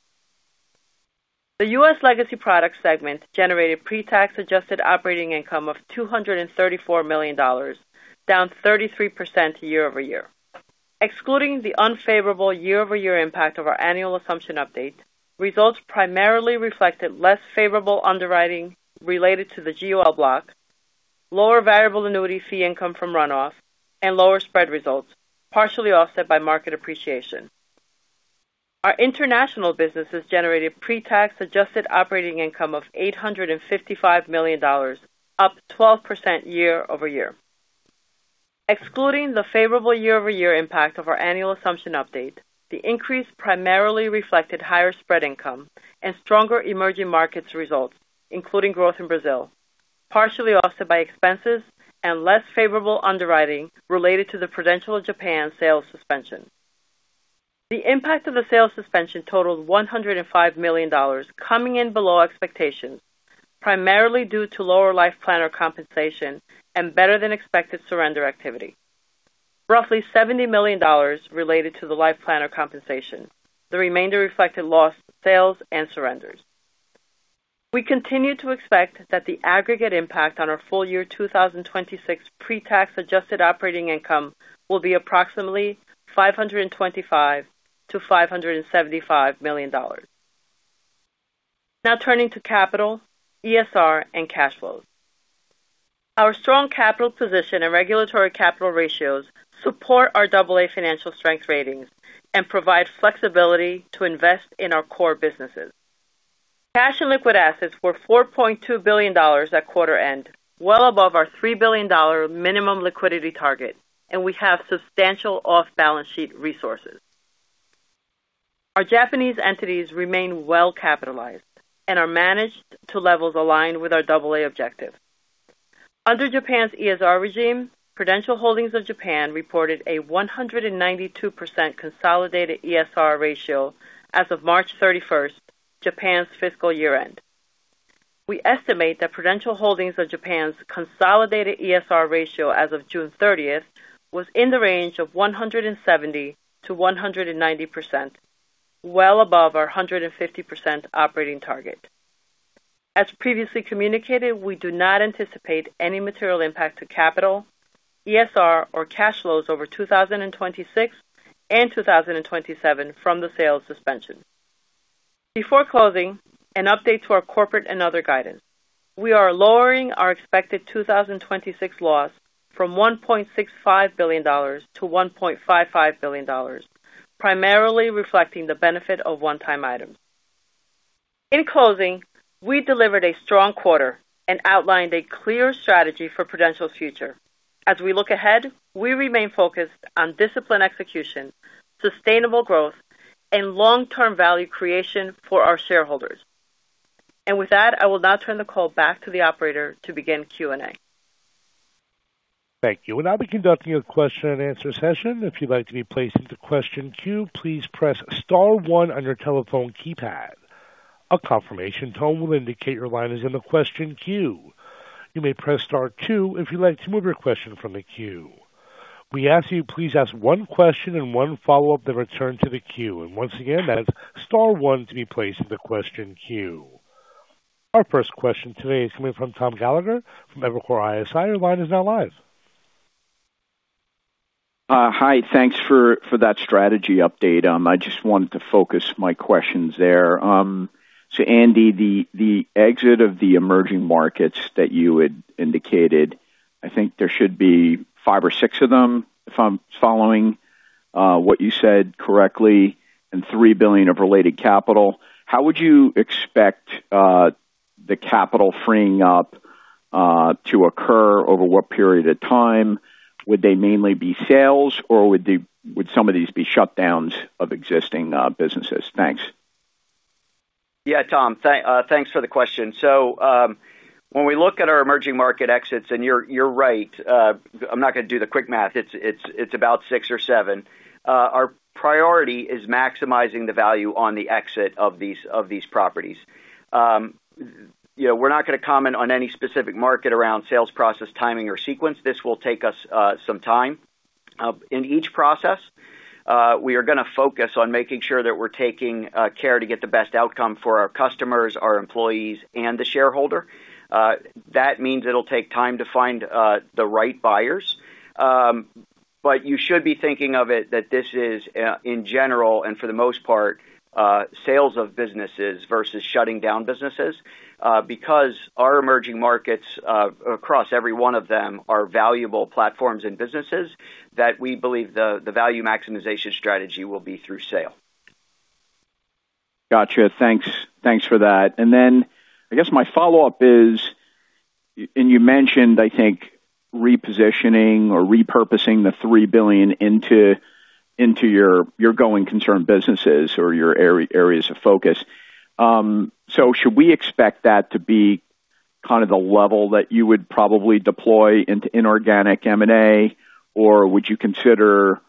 The U.S. legacy product segment generated pre-tax adjusted operating income of $234 million, down 33% year-over-year. Excluding the unfavorable year-over-year impact of our annual assumption update, results primarily reflected less favorable underwriting related to the GUL block, lower variable annuity fee income from runoff, and lower spread results, partially offset by market appreciation. Our international businesses generated pre-tax adjusted operating income of $855 million, up 12% year-over-year. Excluding the favorable year-over-year impact of our annual assumption update, the increase primarily reflected higher spread income and stronger emerging markets results, including growth in Brazil, partially offset by expenses and less favorable underwriting related to the Prudential Japan sales suspension. The impact of the sales suspension totaled $105 million, coming in below expectations, primarily due to lower Life Planner compensation and better-than-expected surrender activity. Roughly $70 million related to the Life Planner compensation. The remainder reflected lost sales and surrenders. We continue to expect that the aggregate impact on our full-year 2026 pre-tax adjusted operating income will be approximately $525 million-$575 million. Now turning to capital, ESR, and cash flows. Our strong capital position and regulatory capital ratios support our AA financial strength ratings and provide flexibility to invest in our core businesses. Cash and liquid assets were $4.2 billion at quarter end, well above our $3 billion minimum liquidity target, and we have substantial off-balance-sheet resources. Our Japanese entities remain well capitalized and are managed to levels aligned with our AA objective. Under Japan's ESR regime, Prudential Holdings of Japan reported a 192% consolidated ESR ratio as of March 31st, Japan's fiscal year-end. We estimate that Prudential Holdings of Japan's consolidated ESR ratio as of June 30th was in the range of 170%-190%, well above our 150% operating target. As previously communicated, we do not anticipate any material impact to capital, ESR, or cash flows over 2026 and 2027 from the sales suspension. Before closing, an update to our corporate and other guidance. We are lowering our expected 2026 loss from $1.65 billion to $1.55 billion, primarily reflecting the benefit of one-time items. In closing, we delivered a strong quarter and outlined a clear strategy for Prudential's future. As we look ahead, we remain focused on disciplined execution, sustainable growth, and long-term value creation for our shareholders. With that, I will now turn the call back to the operator to begin Q&A. Thank you. We'll now be conducting a question-and-answer session. If you'd like to be placed into question queue, please press star one on your telephone keypad. A confirmation tone will indicate your line is in the question queue. You may press star two if you'd like to remove your question from the queue. We ask you please ask one question and one follow-up then return to the queue. Once again, that is star one to be placed in the question queue. Our first question today is coming from Tom Gallagher from Evercore ISI. Your line is now live. Hi. Thanks for that strategy update. I just wanted to focus my questions there. Andy, the exit of the emerging markets that you had indicated, I think there should be five or six of them, if I'm following what you said correctly, and $3 billion of related capital. How would you expect the capital freeing up to occur over what period of time? Would they mainly be sales, or would some of these be shutdowns of existing businesses? Thanks. Yeah, Tom. Thanks for the question. When we look at our emerging market exits, and you're right, I'm not going to do the quick math, it's about six or seven. Our priority is maximizing the value on the exit of these properties. We're not going to comment on any specific market around sales process, timing, or sequence. This will take us some time. In each process, we are going to focus on making sure that we're taking care to get the best outcome for our customers, our employees, and the shareholder. That means it'll take time to find the right buyers. You should be thinking of it that this is, in general and for the most part, sales of businesses versus shutting down businesses. Our emerging markets, across every one of them, are valuable platforms and businesses that we believe the value maximization strategy will be through sale. Got you. Thanks for that. I guess my follow-up is, and you mentioned, I think, repositioning or repurposing the $3 billion into your going concern businesses or your areas of focus. Should we expect that to be Kind of the level that you would probably deploy into inorganic M&A, or would you consider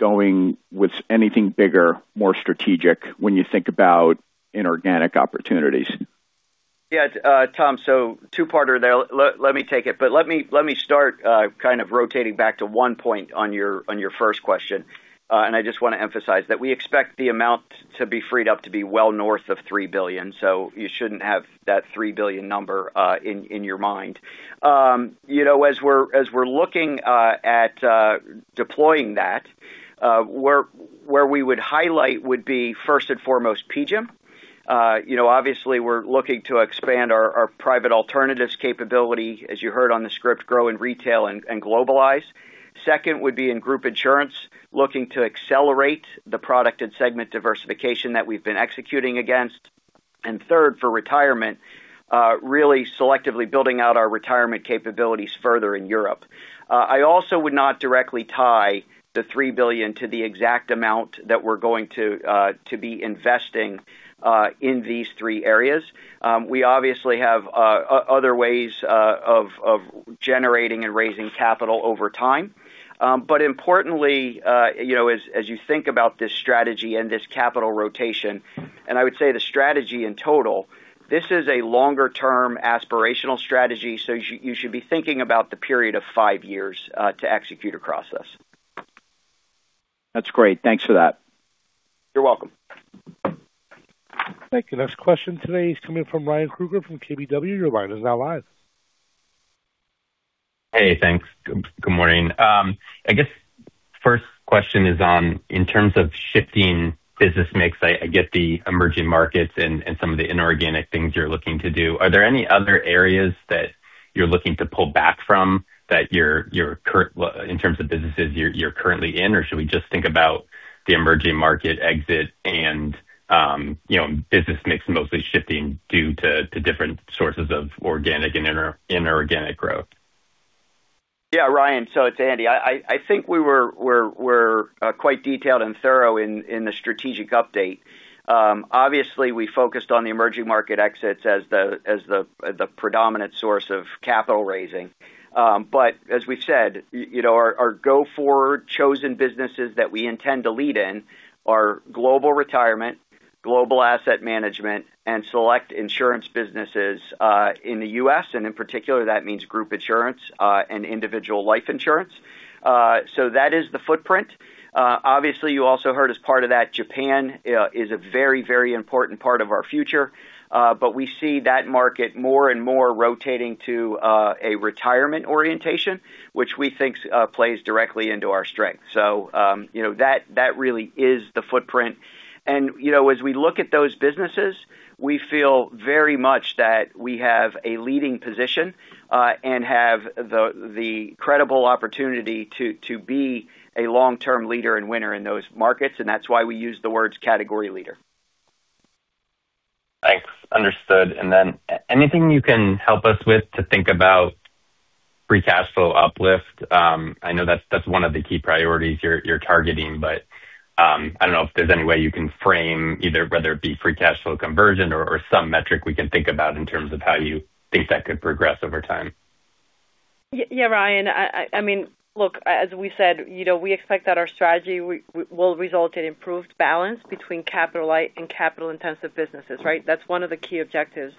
going with anything bigger, more strategic when you think about inorganic opportunities? Yes, Tom. Two-parter there. Let me take it, let me start kind of rotating back to one point on your first question. I just want to emphasize that we expect the amount to be freed up to be well north of $3 billion. You shouldn't have that $3 billion number in your mind. As we're looking at deploying that, where we would highlight would be first and foremost, PGIM. Obviously, we're looking to expand our private alternatives capability, as you heard on the script, grow in retail and globalize. Second would be in Group Insurance, looking to accelerate the product and segment diversification that we've been executing against. Third, for Retirement, really selectively building out our Retirement capabilities further in Europe. I also would not directly tie the $3 billion to the exact amount that we're going to be investing in these three areas. We obviously have other ways of generating and raising capital over time. Importantly, as you think about this strategy and this capital rotation, I would say the strategy in total, this is a longer-term aspirational strategy. You should be thinking about the period of five years to execute across this. That's great. Thanks for that. You're welcome. Thank you. Next question today is coming from Ryan Krueger from KBW. Your line is now live. Hey, thanks. Good morning. I guess first question is on, in terms of shifting business mix, I get the emerging markets and some of the inorganic things you're looking to do. Are there any other areas that you're looking to pull back from in terms of businesses you're currently in, or should we just think about the emerging market exit and business mix mostly shifting due to different sources of organic and inorganic growth? Ryan. It's Andy. I think we're quite detailed and thorough in the strategic update. Obviously, we focused on the emerging market exits as the predominant source of capital raising. As we've said, our go-forward chosen businesses that we intend to lead in are Global Retirement, Global Asset Management, and select insurance businesses in the U.S., and in particular, that means Group Insurance, and individual life insurance. That is the footprint. Obviously, you also heard as part of that, Japan is a very, very important part of our future. We see that market more and more rotating to a Retirement orientation, which we think plays directly into our strength. That really is the footprint. As we look at those businesses, we feel very much that we have a leading position, and have the credible opportunity to be a long-term leader and winner in those markets, and that's why we use the words category leader. Thanks. Understood. Anything you can help us with to think about free cash flow uplift? I know that's one of the key priorities you're targeting, I don't know if there's any way you can frame either, whether it be free cash flow conversion or some metric we can think about in terms of how you think that could progress over time. Ryan. Look, as we said, we expect that our strategy will result in improved balance between capital-light and capital-intensive businesses, right? That's one of the key objectives.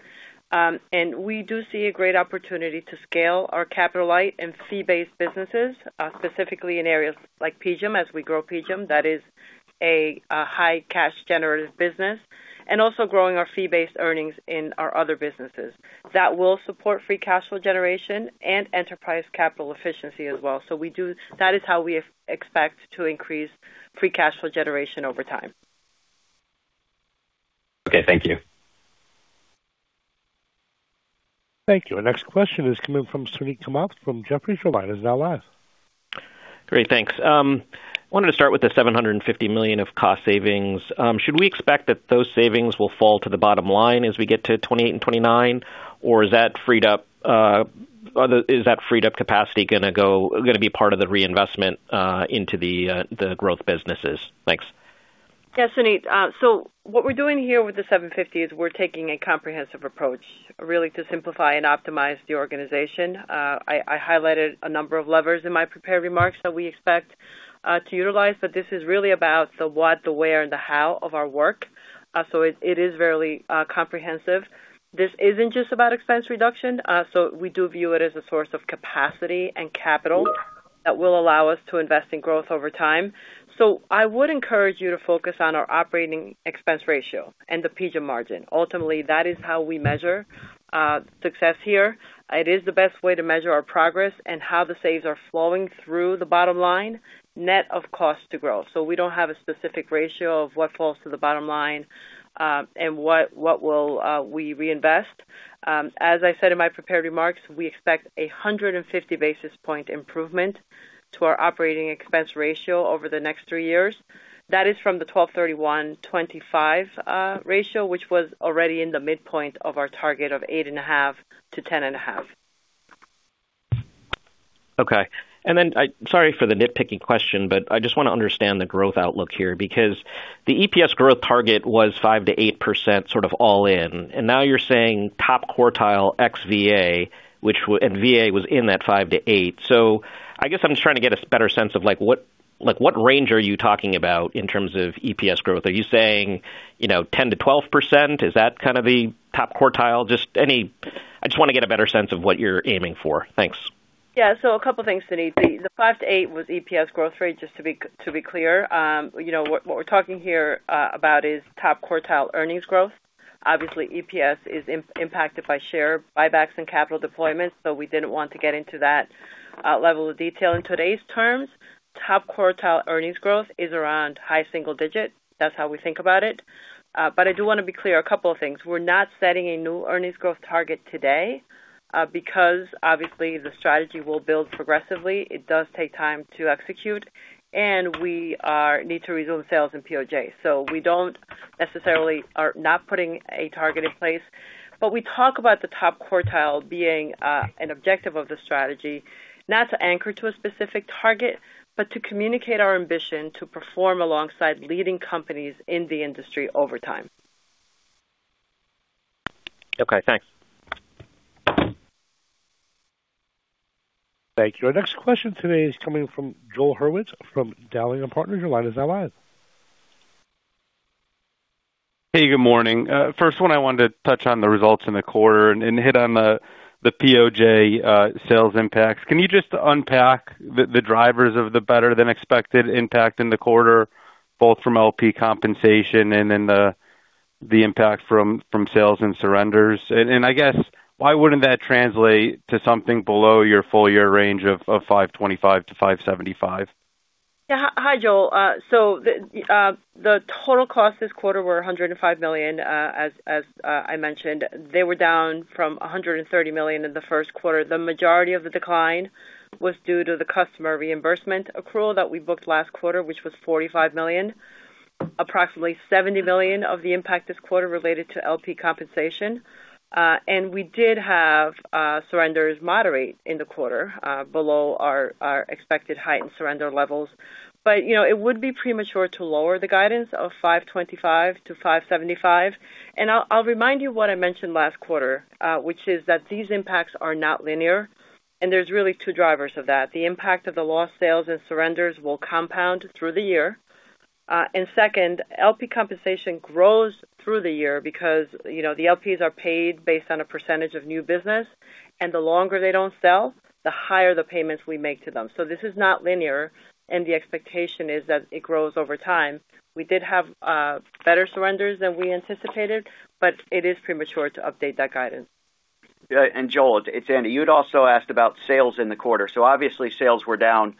We do see a great opportunity to scale our capital-light and fee-based businesses, specifically in areas like PGIM as we grow PGIM. That is a high cash generative business, and also growing our fee-based earnings in our other businesses. That will support free cash flow generation and enterprise capital efficiency as well. That is how we expect to increase free cash flow generation over time. Okay. Thank you. Thank you. Our next question is coming from Suneet Kamath from Jefferies. Your line is now live. Great. Thanks. Wanted to start with the $750 million of cost savings. Should we expect that those savings will fall to the bottom line as we get to 2028 and 2029, or is that freed up capacity going to be part of the reinvestment into the growth businesses? Thanks. Yeah, Suneet. What we're doing here with the 750 is we're taking a comprehensive approach, really to simplify and optimize the organization. I highlighted a number of levers in my prepared remarks that we expect to utilize, but this is really about the what, the where, and the how of our work. It is very comprehensive. This isn't just about expense reduction. We do view it as a source of capacity and capital that will allow us to invest in growth over time. I would encourage you to focus on our operating expense ratio and the PGIM margin. Ultimately, that is how we measure success here. It is the best way to measure our progress and how the saves are flowing through the bottom line net of cost to growth. We don't have a specific ratio of what falls to the bottom line, and what will we reinvest. As I said in my prepared remarks, we expect 150 basis point improvement to our operating expense ratio over the next three years. That is from the 12/31/2025 ratio, which was already in the midpoint of our target of 8.5%-10.5%. Okay. Sorry for the nitpicking question, but I just want to understand the growth outlook here, because the EPS growth target was 5%-8%, sort of all in, and now you're saying top quartile ex VA, and VA was in that 5%-8%. I guess I'm just trying to get a better sense of what range are you talking about in terms of EPS growth? Are you saying 10%-12%? Is that kind of the top quartile? I just want to get a better sense of what you're aiming for. Thanks. Yeah. A couple things, Suneet. The 5%-8% was EPS growth rate, just to be clear. What we're talking here about is top quartile earnings growth. Obviously, EPS is impacted by share buybacks and capital deployment, we didn't want to get into that level of detail. In today's terms, top quartile earnings growth is around high single digit. That's how we think about it. I do want to be clear, a couple of things. We're not setting a new earnings growth target today, because obviously the strategy will build progressively. It does take time to execute, and we need to resume sales in POJ. We don't necessarily are not putting a target in place. We talk about the top quartile being an objective of the strategy, not to anchor to a specific target, but to communicate our ambition to perform alongside leading companies in the industry over time. Okay, thanks. Thank you. Our next question today is coming from Joel Hurwitz from Dowling & Partners. Your line is now live. Hey, good morning. First one, I wanted to touch on the results in the quarter and hit on the POJ sales impacts. Can you just unpack the drivers of the better-than-expected impact in the quarter, both from LP compensation and then the impact from sales and surrenders? I guess why wouldn't that translate to something below your full year range of $525 million-$575 million? Yeah. Hi, Joel. The total costs this quarter were $105 million, as I mentioned. They were down from $130 million in the first quarter. The majority of the decline was due to the customer reimbursement accrual that we booked last quarter, which was $45 million. Approximately $70 million of the impact this quarter related to LP compensation. We did have surrenders moderate in the quarter below our expected heightened surrender levels. It would be premature to lower the guidance of $525 million-$575 million. I'll remind you what I mentioned last quarter, which is that these impacts are not linear, and there's really two drivers of that. The impact of the lost sales and surrenders will compound through the year. Second, LP compensation grows through the year because the LPs are paid based on a percentage of new business, and the longer they don't sell, the higher the payments we make to them. This is not linear, the expectation is that it grows over time. We did have better surrenders than we anticipated, it is premature to update that guidance. Joel, it's Andy. You had also asked about sales in the quarter. Obviously sales were down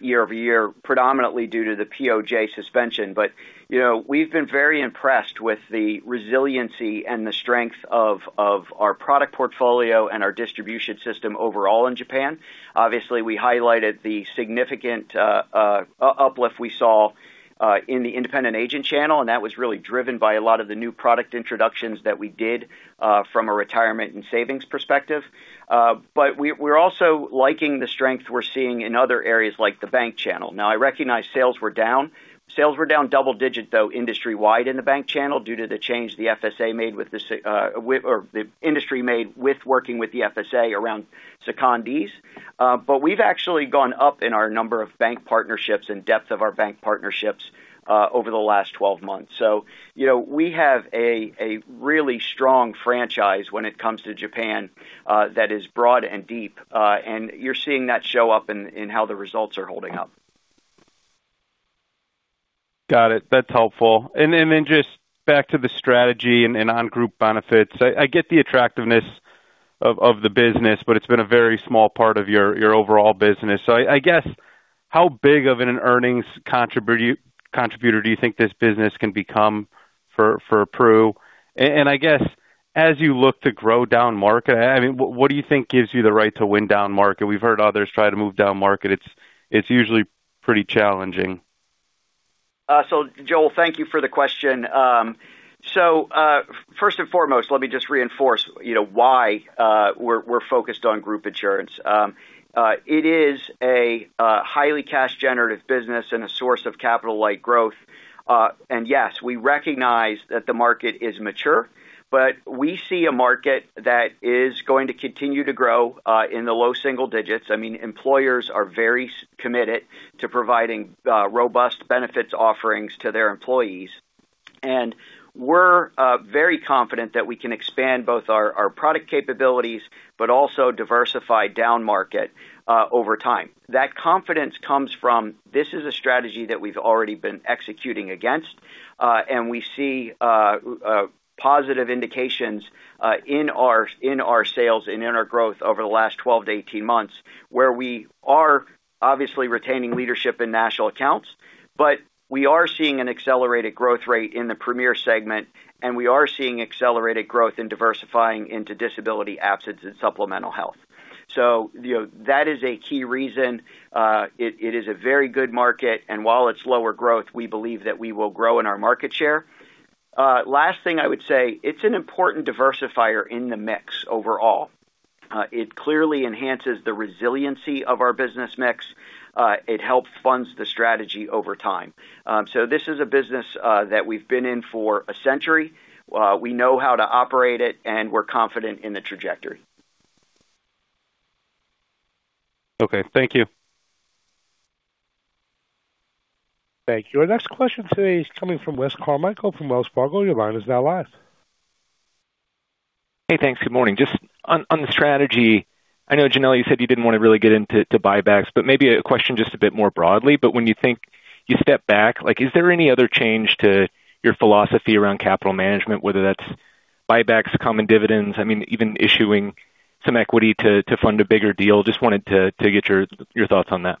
year-over-year, predominantly due to the POJ suspension. We've been very impressed with the resiliency and the strength of our product portfolio and our distribution system overall in Japan. Obviously, we highlighted the significant uplift we saw in the independent agent channel, and that was really driven by a lot of the new product introductions that we did from a retirement and savings perspective. We're also liking the strength we're seeing in other areas like the bank channel. Now I recognize sales were down. Sales were down double-digit, though, industry-wide in the bank channel due to the change the industry made with working with the FSA around secondees. We've actually gone up in our number of bank partnerships and depth of our bank partnerships over the last 12 months. We have a really strong franchise when it comes to Japan that is broad and deep. You're seeing that show up in how the results are holding up. Got it. That's helpful. Then just back to the strategy and on group benefits. I get the attractiveness of the business, it's been a very small part of your overall business. I guess how big of an earnings contributor do you think this business can become for Pru? I guess as you look to grow down market, what do you think gives you the right to win down market? We've heard others try to move down market. It's usually pretty challenging. Joel, thank you for the question. First and foremost, let me just reinforce why we're focused on group insurance. It is a highly cash generative business and a source of capital-like growth. Yes, we recognize that the market is mature, but we see a market that is going to continue to grow in the low single digits. Employers are very committed to providing robust benefits offerings to their employees. We're very confident that we can expand both our product capabilities but also diversify down market over time. That confidence comes from this is a strategy that we've already been executing against. We see positive indications in our sales and in our growth over the last 12 to 18 months, where we are obviously retaining leadership in national accounts, but we are seeing an accelerated growth rate in the premier segment, and we are seeing accelerated growth in diversifying into disability absence and supplemental health. That is a key reason. It is a very good market, and while it's lower growth, we believe that we will grow in our market share. Last thing I would say, it's an important diversifier in the mix overall. It clearly enhances the resiliency of our business mix. It helps fund the strategy over time. This is a business that we've been in for a century. We know how to operate it, and we're confident in the trajectory. Okay, thank you. Thank you. Our next question today is coming from Wes Carmichael from Wells Fargo. Your line is now live. Hey, thanks. Good morning. Just on the strategy, I know, Yanela, you said you didn't want to really get into buybacks, but maybe a question just a bit more broadly. When you think you step back, is there any other change to your philosophy around capital management, whether that's buybacks, common dividends, even issuing some equity to fund a bigger deal? Just wanted to get your thoughts on that.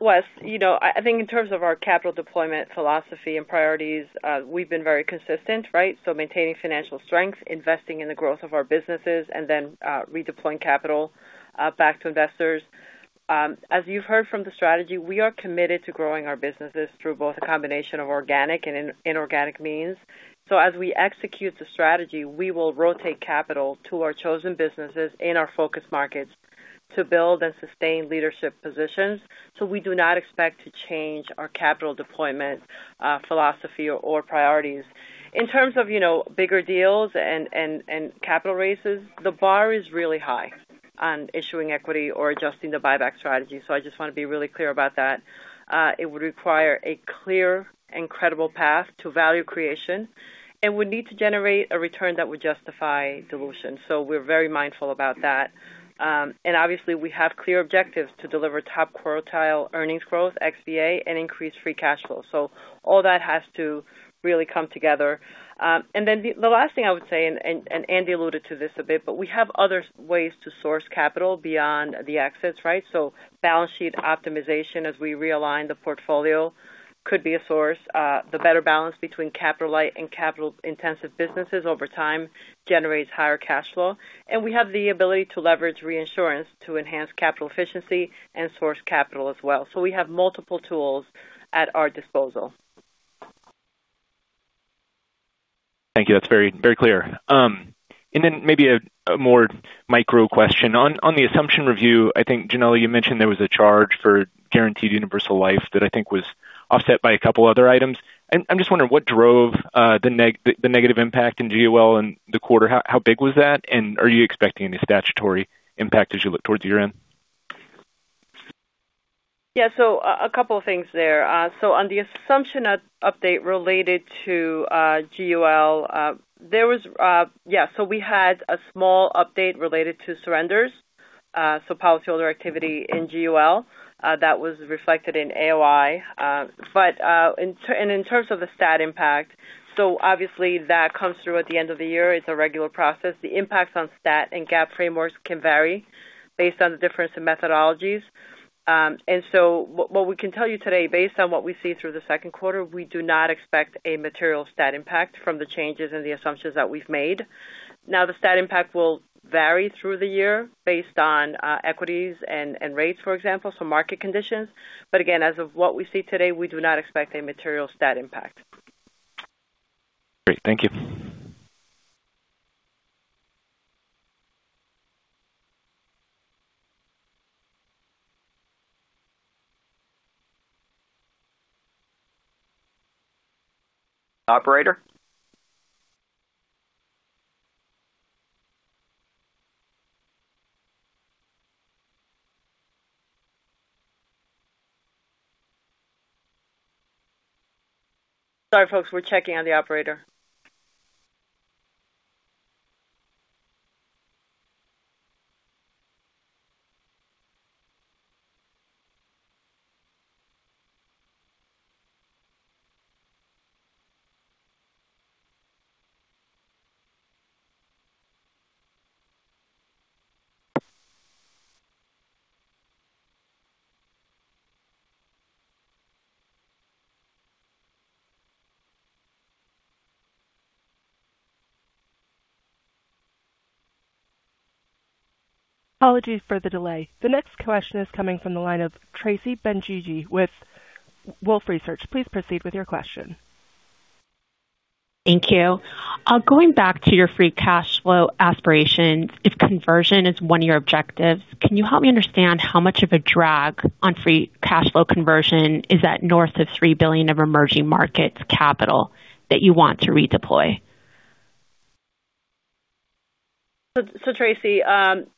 Wes, I think in terms of our capital deployment philosophy and priorities, we've been very consistent, right? Maintaining financial strength, investing in the growth of our businesses, and then redeploying capital back to investors. As you've heard from the strategy, we are committed to growing our businesses through both a combination of organic and inorganic means. As we execute the strategy, we will rotate capital to our chosen businesses in our focus markets to build and sustain leadership positions. We do not expect to change our capital deployment philosophy or priorities. In terms of bigger deals and capital raises, the bar is really high on issuing equity or adjusting the buyback strategy. I just want to be really clear about that. It would require a clear and credible path to value creation and would need to generate a return that would justify dilution. We're very mindful about that. Obviously, we have clear objectives to deliver top quartile earnings growth ex VA, and increase free cash flow. All that has to really come together. The last thing I would say, and Andy alluded to this a bit, we have other ways to source capital beyond the exits, right? Balance sheet optimization as we realign the portfolio could be a source. The better balance between capital light and capital intensive businesses over time generates higher cash flow. We have the ability to leverage reinsurance to enhance capital efficiency and source capital as well. We have multiple tools at our disposal. Thank you. That's very clear. Maybe a more micro question. On the assumption review, I think, Yanela, you mentioned there was a charge for Guaranteed Universal Life that I think was offset by a couple other items. I'm just wondering what drove the negative impact in GUL in the quarter. How big was that? Are you expecting any statutory impact as you look towards the year-end? A couple of things there. On the assumption update related to GUL, we had a small update related to surrenders, policyholder activity in GUL that was reflected in AOI. In terms of the stat impact, obviously that comes through at the end of the year. It's a regular process. The impacts on stat and GAAP frameworks can vary based on the difference in methodologies. What we can tell you today, based on what we see through the second quarter, we do not expect a material stat impact from the changes in the assumptions that we've made. The stat impact will vary through the year based on equities and rates, for example, market conditions. Again, as of what we see today, we do not expect a material stat impact. Great. Thank you. Operator? Sorry, folks. We're checking on the operator. Apologies for the delay. The next question is coming from the line of Tracy Benguigui with Wolfe Research. Please proceed with your question. Thank you. Going back to your free cash flow aspirations, if conversion is one of your objectives, can you help me understand how much of a drag on free cash flow conversion is that north of $3 billion of emerging markets capital that you want to redeploy? Tracy,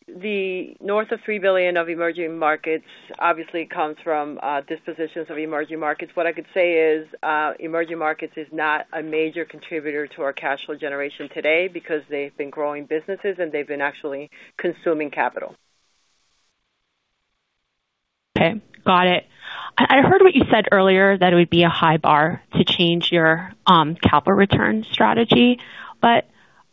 the north of $3 billion of emerging markets obviously comes from dispositions of emerging markets. What I could say is emerging markets is not a major contributor to our cash flow generation today because they've been growing businesses and they've been actually consuming capital. Okay. Got it. I heard what you said earlier that it would be a high bar to change your capital return strategy.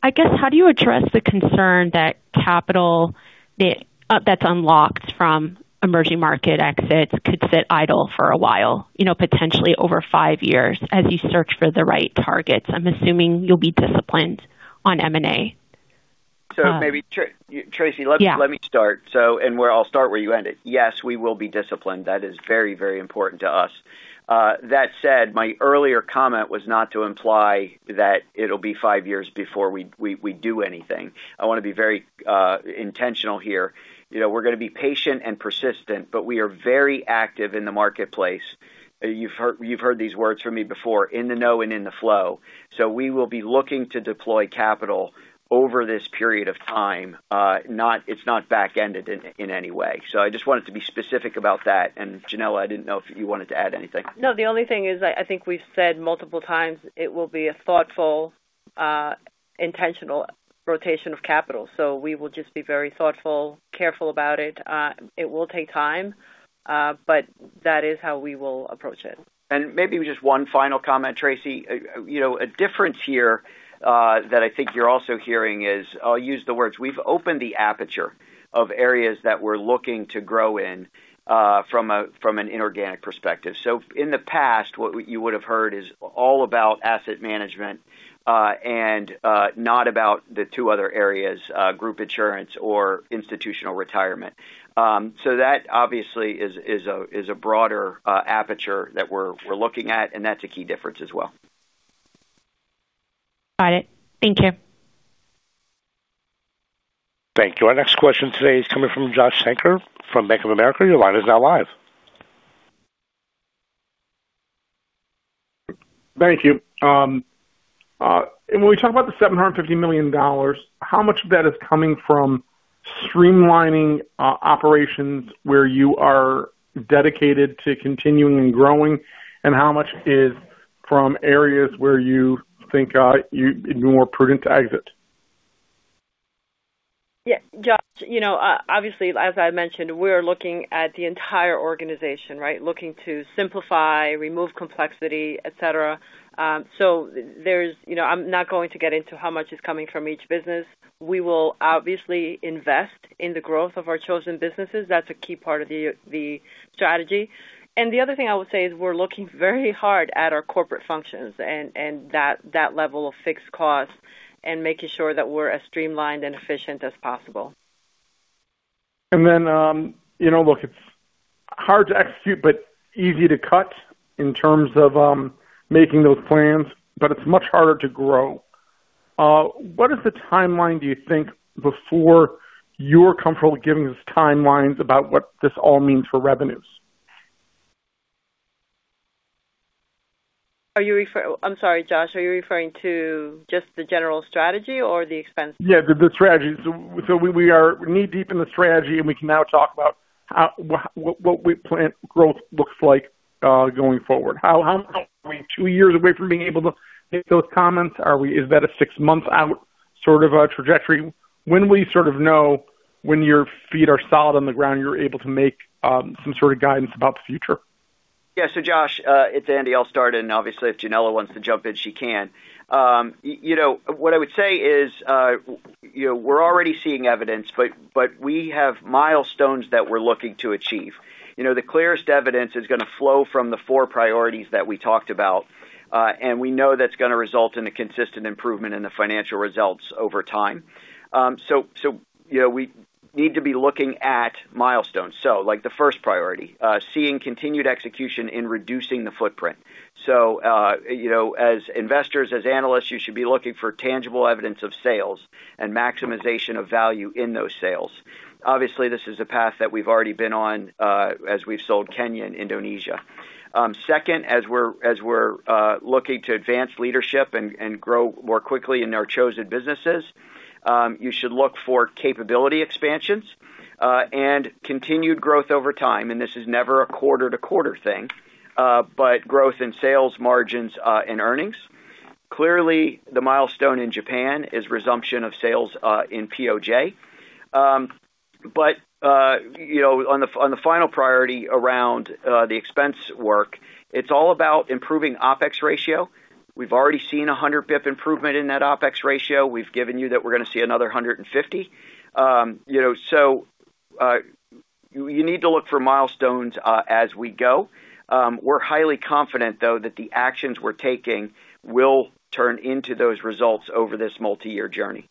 I guess, how do you address the concern that capital that's unlocked from emerging market exits could sit idle for a while, potentially over five years as you search for the right targets? I'm assuming you'll be disciplined on M&A. Maybe, Tracy. Yeah Let me start. I'll start where you ended. Yes, we will be disciplined. That is very important to us. That said, my earlier comment was not to imply that it'll be five years before we do anything. I want to be very intentional here. We're going to be patient and persistent, but we are very active in the marketplace. You've heard these words from me before, in the know and in the flow. We will be looking to deploy capital over this period of time. It's not back-ended in any way. I just wanted to be specific about that. Yanela, I didn't know if you wanted to add anything. No, the only thing is, I think we've said multiple times it will be a thoughtful, intentional rotation of capital. We will just be very thoughtful, careful about it. It will take time, but that is how we will approach it. Maybe just one final comment, Tracy. A difference here that I think you're also hearing is, I'll use the words, we've opened the aperture of areas that we're looking to grow in from an inorganic perspective. In the past, what you would have heard is all about asset management, and not about the two other areas, group insurance or institutional retirement. That obviously is a broader aperture that we're looking at, and that's a key difference as well. Got it. Thank you. Thank you. Our next question today is coming from Josh Shanker from Bank of America. Your line is now live. Thank you. When we talk about the $750 million, how much of that is coming from streamlining operations where you are dedicated to continuing and growing, and how much is from areas where you think it'd be more prudent to exit? Yeah. Josh, obviously, as I mentioned, we're looking at the entire organization, right? Looking to simplify, remove complexity, et cetera. I'm not going to get into how much is coming from each business. We will obviously invest in the growth of our chosen businesses. That's a key part of the strategy. The other thing I would say is we're looking very hard at our corporate functions and that level of fixed cost and making sure that we're as streamlined and efficient as possible. Look, it's hard to execute but easy to cut in terms of making those plans, but it's much harder to grow. What is the timeline, do you think, before you're comfortable giving us timelines about what this all means for revenues? I'm sorry, Josh, are you referring to just the general strategy or the expense? Yeah, the strategy. We are knee-deep in the strategy, and we can now talk about what we plan growth looks like going forward. Are we two years away from being able to make those comments? Is that a six-month-out sort of a trajectory? When will you know when your feet are solid on the ground, you're able to make some sort of guidance about the future? Yeah. Josh, it's Andy. I'll start, and obviously, if Yanela wants to jump in, she can. What I would say is we're already seeing evidence, but we have milestones that we're looking to achieve. The clearest evidence is going to flow from the four priorities that we talked about, and we know that's going to result in a consistent improvement in the financial results over time. We need to be looking at milestones. Like the first priority, seeing continued execution in reducing the footprint. As investors, as analysts, you should be looking for tangible evidence of sales and maximization of value in those sales. Obviously, this is a path that we've already been on as we've sold Kenya and Indonesia. Second, as we're looking to advance leadership and grow more quickly in our chosen businesses, you should look for capability expansions, and continued growth over time, and this is never a quarter-to-quarter thing, but growth in sales margins and earnings. Clearly, the milestone in Japan is resumption of sales in POJ. On the final priority around the expense work, it's all about improving OpEx ratio. We've already seen 100 bip improvement in that OpEx ratio. We've given you that we're going to see another 150. You need to look for milestones as we go. We're highly confident, though, that the actions we're taking will turn into those results over this multi-year journey.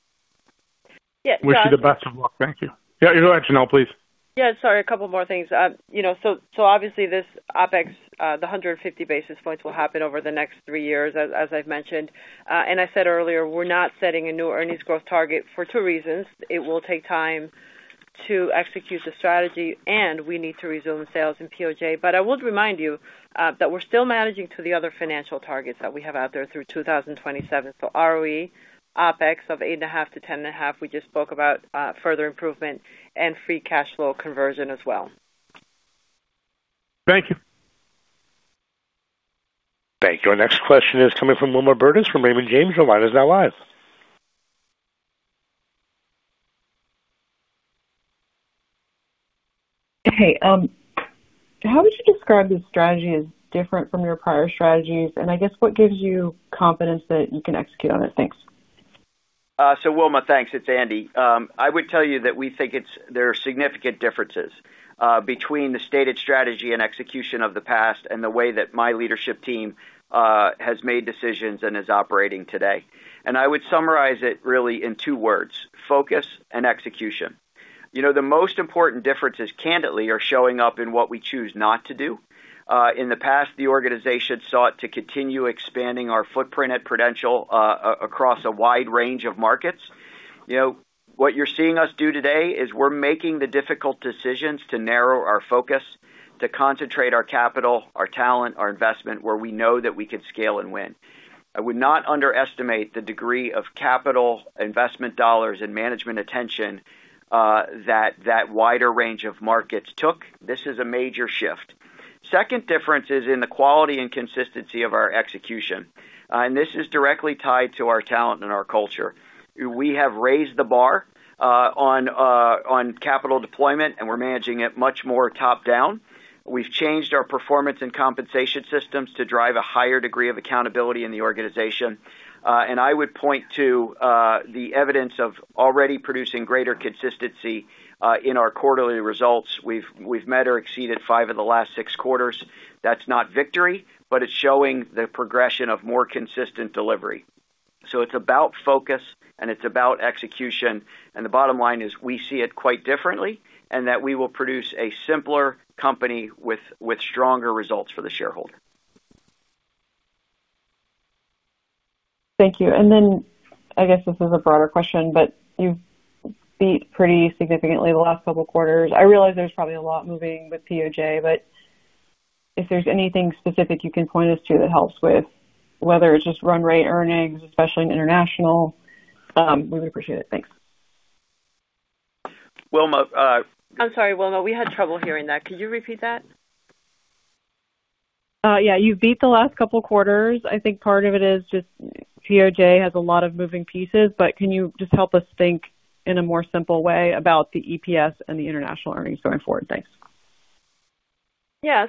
Yeah, Josh. Wish you the best of luck. Thank you. Yeah, go ahead, Yanela, please. Yeah, sorry, a couple more things. Obviously, this OpEx, the 150 basis points will happen over the next three years, as I've mentioned. I said earlier, we're not setting a new earnings growth target for two reasons. It will take time to execute the strategy, and we need to resume sales in POJ. I would remind you that we're still managing to the other financial targets that we have out there through 2027. ROE, OpEx of 8.5%-10.5%, we just spoke about further improvement and free cash flow conversion as well. Thank you. Thank you. Our next question is coming from Wilma Burdis from Raymond James. Your line is now live. Hey. How would you describe the strategy as different from your prior strategies? I guess what gives you confidence that you can execute on it? Thanks. Wilma, thanks. It's Andy. I would tell you that we think there are significant differences between the stated strategy and execution of the past and the way that my leadership team has made decisions and is operating today. I would summarize it really in two words, focus and execution. The most important differences, candidly, are showing up in what we choose not to do. In the past, the organization sought to continue expanding our footprint at Prudential across a wide range of markets. What you're seeing us do today is we're making the difficult decisions to narrow our focus, to concentrate our capital, our talent, our investment, where we know that we can scale and win. I would not underestimate the degree of capital investment dollars and management attention that wider range of markets took. This is a major shift. Second difference is in the quality and consistency of our execution. This is directly tied to our talent and our culture. We have raised the bar on capital deployment, and we're managing it much more top-down. We've changed our performance and compensation systems to drive a higher degree of accountability in the organization. I would point to the evidence of already producing greater consistency in our quarterly results. We've met or exceeded five of the last six quarters. That's not victory, but it's showing the progression of more consistent delivery. It's about focus and it's about execution. The bottom line is we see it quite differently and that we will produce a simpler company with stronger results for the shareholder. Thank you. I guess this is a broader question, but you've beat pretty significantly the last couple of quarters. I realize there's probably a lot moving with POJ, but if there's anything specific you can point us to that helps with whether it's just run rate earnings, especially in international, really appreciate it. Thanks. Wilma- I'm sorry, Wilma, we had trouble hearing that. Could you repeat that? Yeah. You've beat the last couple quarters. I think part of it is just POJ has a lot of moving pieces, but can you just help us think in a more simple way about the EPS and the international earnings going forward? Thanks. Yeah.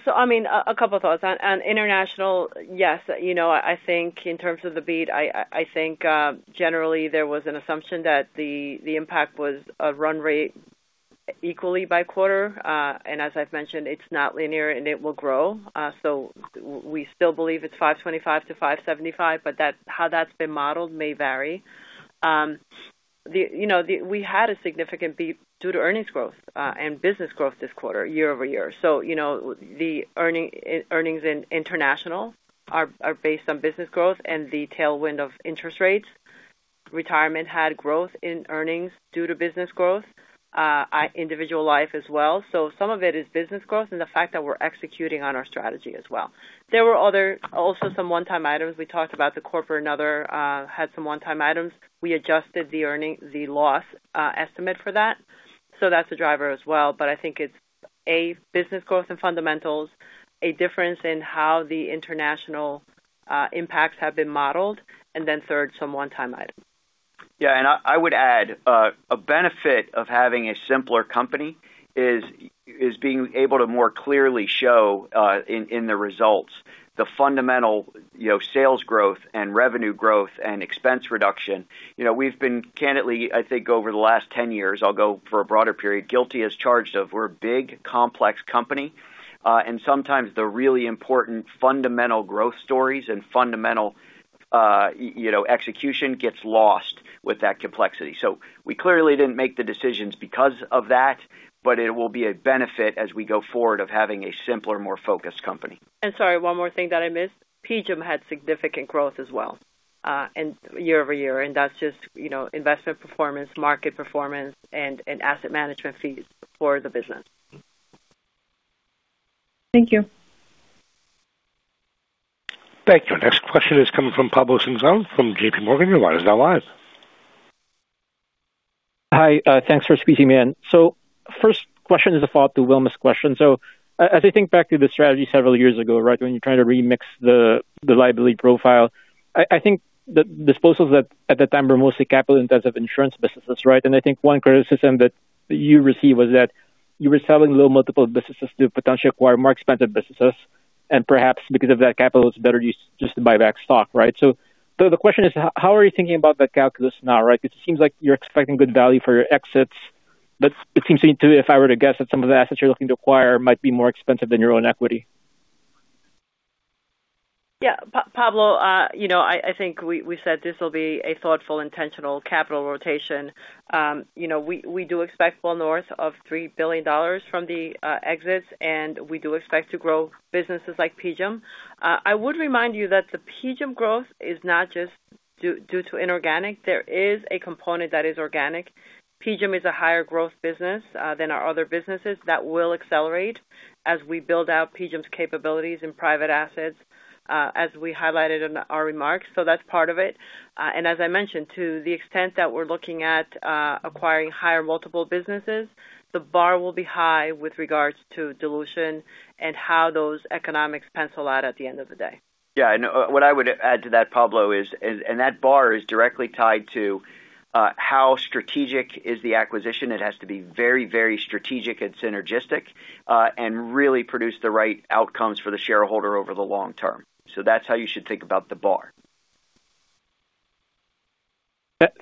A couple thoughts. On international, yes. I think in terms of the beat, I think, generally, there was an assumption that the impact was a run rate equally by quarter. As I've mentioned, it's not linear and it will grow. We still believe it's 525-575, but how that's been modeled may vary. We had a significant beat due to earnings growth, and business growth this quarter, year-over-year. The earnings in international are based on business growth and the tailwind of interest rates. Retirement had growth in earnings due to business growth. Individual life as well. Some of it is business growth and the fact that we're executing on our strategy as well. There were also some one-time items. We talked about the corporate, another had some one-time items. We adjusted the loss estimate for that. That's a driver as well. I think it's, A, business growth and fundamentals, a difference in how the international impacts have been modeled, and then third, some one-time items. Yeah, I would add, a benefit of having a simpler company is being able to more clearly show in the results the fundamental sales growth and revenue growth and expense reduction. We've been, candidly, I think over the last 10 years, I'll go for a broader period, guilty as charged of we're a big, complex company. Sometimes the really important fundamental growth stories and fundamental execution gets lost with that complexity. We clearly didn't make the decisions because of that, but it will be a benefit as we go forward of having a simpler, more focused company. Sorry, one more thing that I missed. PGIM had significant growth as well year-over-year, and that's just investment performance, market performance, and asset management fees for the business. Thank you. Thank you. Next question is coming from Pablo Singzon from JPMorgan, your line is now live. Hi. Thanks for squeezing me in. First question is a follow-up to Wilma's question. As I think back to the strategy several years ago, when you tried to remix the liability profile, I think the disposals at that time were mostly capital intensive insurance businesses. I think one criticism that you received was that you were selling low multiple businesses to potentially acquire more expensive businesses, and perhaps because of that, capital is better used just to buy back stock. The question is, how are you thinking about that calculus now? It seems like you're expecting good value for your exits, but it seems to me, if I were to guess, that some of the assets you're looking to acquire might be more expensive than your own equity. Yeah. Pablo, I think we said this will be a thoughtful, intentional capital rotation. We do expect well north of $3 billion from the exits, and we do expect to grow businesses like PGIM. I would remind you that the PGIM growth is not just due to inorganic. There is a component that is organic. PGIM is a higher growth business than our other businesses. That will accelerate as we build out PGIM's capabilities in private assets, as we highlighted in our remarks. That's part of it. As I mentioned, to the extent that we're looking at acquiring higher multiple businesses, the bar will be high with regards to dilution and how those economics pencil out at the end of the day. Yeah, what I would add to that, Pablo, is that bar is directly tied to how strategic is the acquisition. It has to be very strategic and synergistic, and really produce the right outcomes for the shareholder over the long term. That's how you should think about the bar.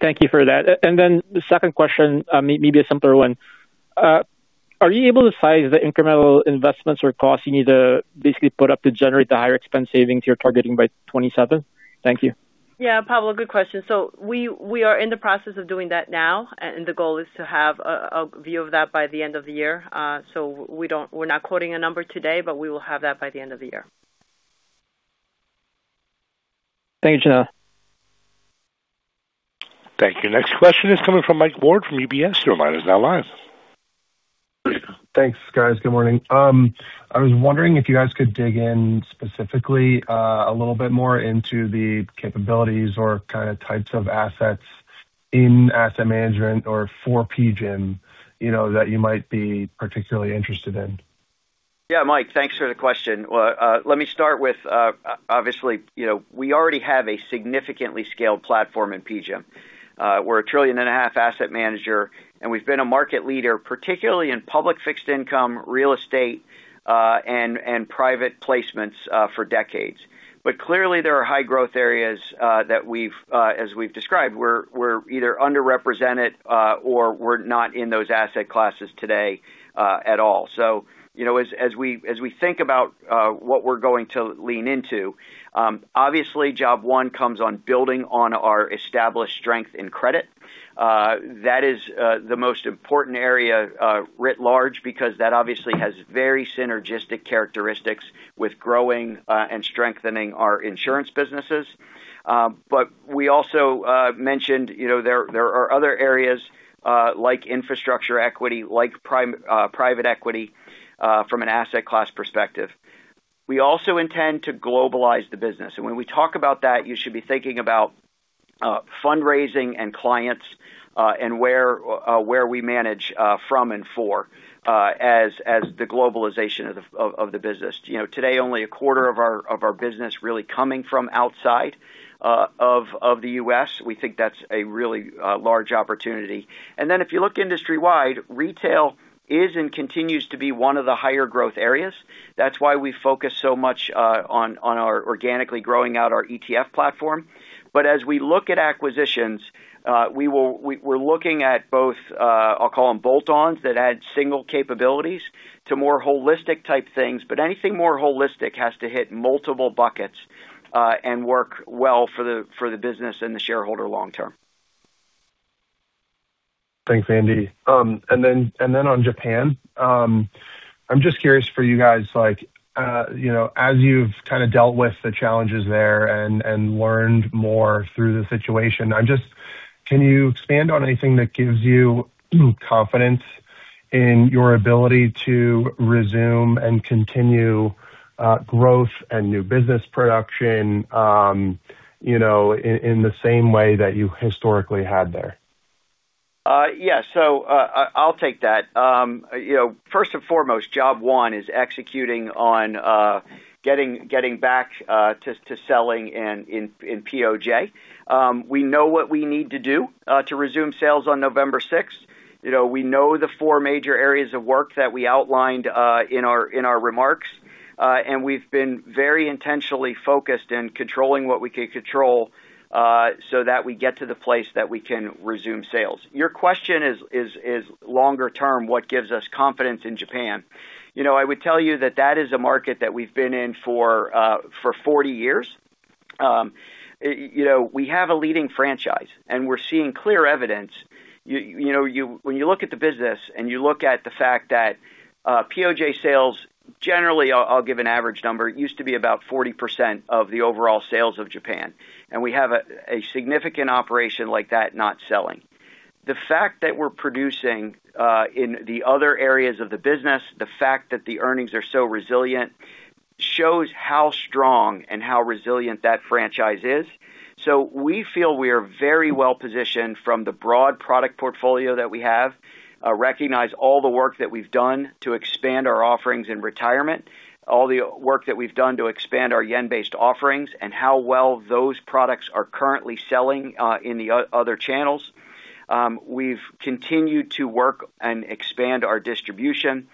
Thank you for that. The second question, maybe a simpler one. Are you able to size the incremental investments or costs you need to basically put up to generate the higher expense savings you're targeting by 2027? Thank you. Yeah, Pablo, good question. We are in the process of doing that now, and the goal is to have a view of that by the end of the year. We're not quoting a number today, but we will have that by the end of the year. Thank you, Yanela. Thank you. Next question is coming from Michael Ward from UBS. Your line is now live. Thanks, guys. Good morning. I was wondering if you guys could dig in specifically a little bit more into the capabilities or kind of types of assets in asset management or for PGIM that you might be particularly interested in. Yeah, Mike, thanks for the question. Let me start with, obviously, we already have a significantly scaled platform in PGIM. We're a $1.5 trillion asset manager, and we've been a market leader, particularly in public fixed income, real estate, and private placements for decades. Clearly there are high growth areas that as we've described, we're either underrepresented or we're not in those asset classes today at all. As we think about what we're going to lean into, obviously job one comes on building on our established strength in credit. That is the most important area writ large because that obviously has very synergistic characteristics with growing and strengthening our insurance businesses. We also mentioned there are other areas, like infrastructure equity, like private equity, from an asset class perspective. We also intend to globalize the business, and when we talk about that, you should be thinking about fundraising and clients, and where we manage from and for as the globalization of the business. Today only a quarter of our business really coming from outside of the U.S., we think that's a really large opportunity. If you look industry-wide, retail is and continues to be one of the higher growth areas. That's why we focus so much on organically growing out our ETF platform. As we look at acquisitions, we're looking at both, I'll call them bolt-ons that add single capabilities to more holistic type things, but anything more holistic has to hit multiple buckets, and work well for the business and the shareholder long term. Thanks, Andy. On Japan, I'm just curious for you guys, as you've kind of dealt with the challenges there and learned more through the situation, can you expand on anything that gives you confidence in your ability to resume and continue growth and new business production in the same way that you historically had there? Yeah. I'll take that. First and foremost, job one is executing on getting back to selling in POJ. We know what we need to do to resume sales on November 6th. We know the four major areas of work that we outlined in our remarks. We've been very intentionally focused in controlling what we can control, so that we get to the place that we can resume sales. Your question is longer term, what gives us confidence in Japan? I would tell you that that is a market that we've been in for 40 years. We have a leading franchise and we're seeing clear evidence. When you look at the business and you look at the fact that POJ sales, generally, I'll give an average number. It used to be about 40% of the overall sales of Japan, and we have a significant operation like that not selling. The fact that we're producing in the other areas of the business, the fact that the earnings are so resilient shows how strong and how resilient that franchise is. We feel we are very well-positioned from the broad product portfolio that we have, recognize all the work that we've done to expand our offerings in retirement, all the work that we've done to expand our yen-based offerings, and how well those products are currently selling in the other channels. We've continued to work and expand our distribution.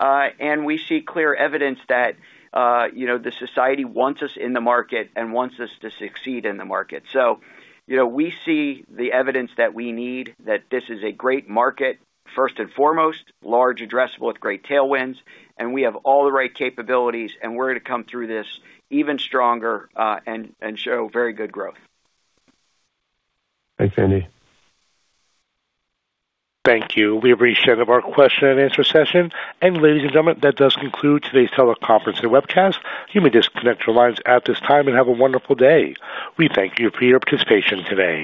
We see clear evidence that the society wants us in the market and wants us to succeed in the market. We see the evidence that we need that this is a great market first and foremost, large addressable with great tailwinds, and we have all the right capabilities and we're going to come through this even stronger, and show very good growth. Thanks, Andy. Thank you. We've reached the end of our question and answer session. Ladies and gentlemen, that does conclude today's teleconference and webcast. You may disconnect your lines at this time and have a wonderful day. We thank you for your participation today.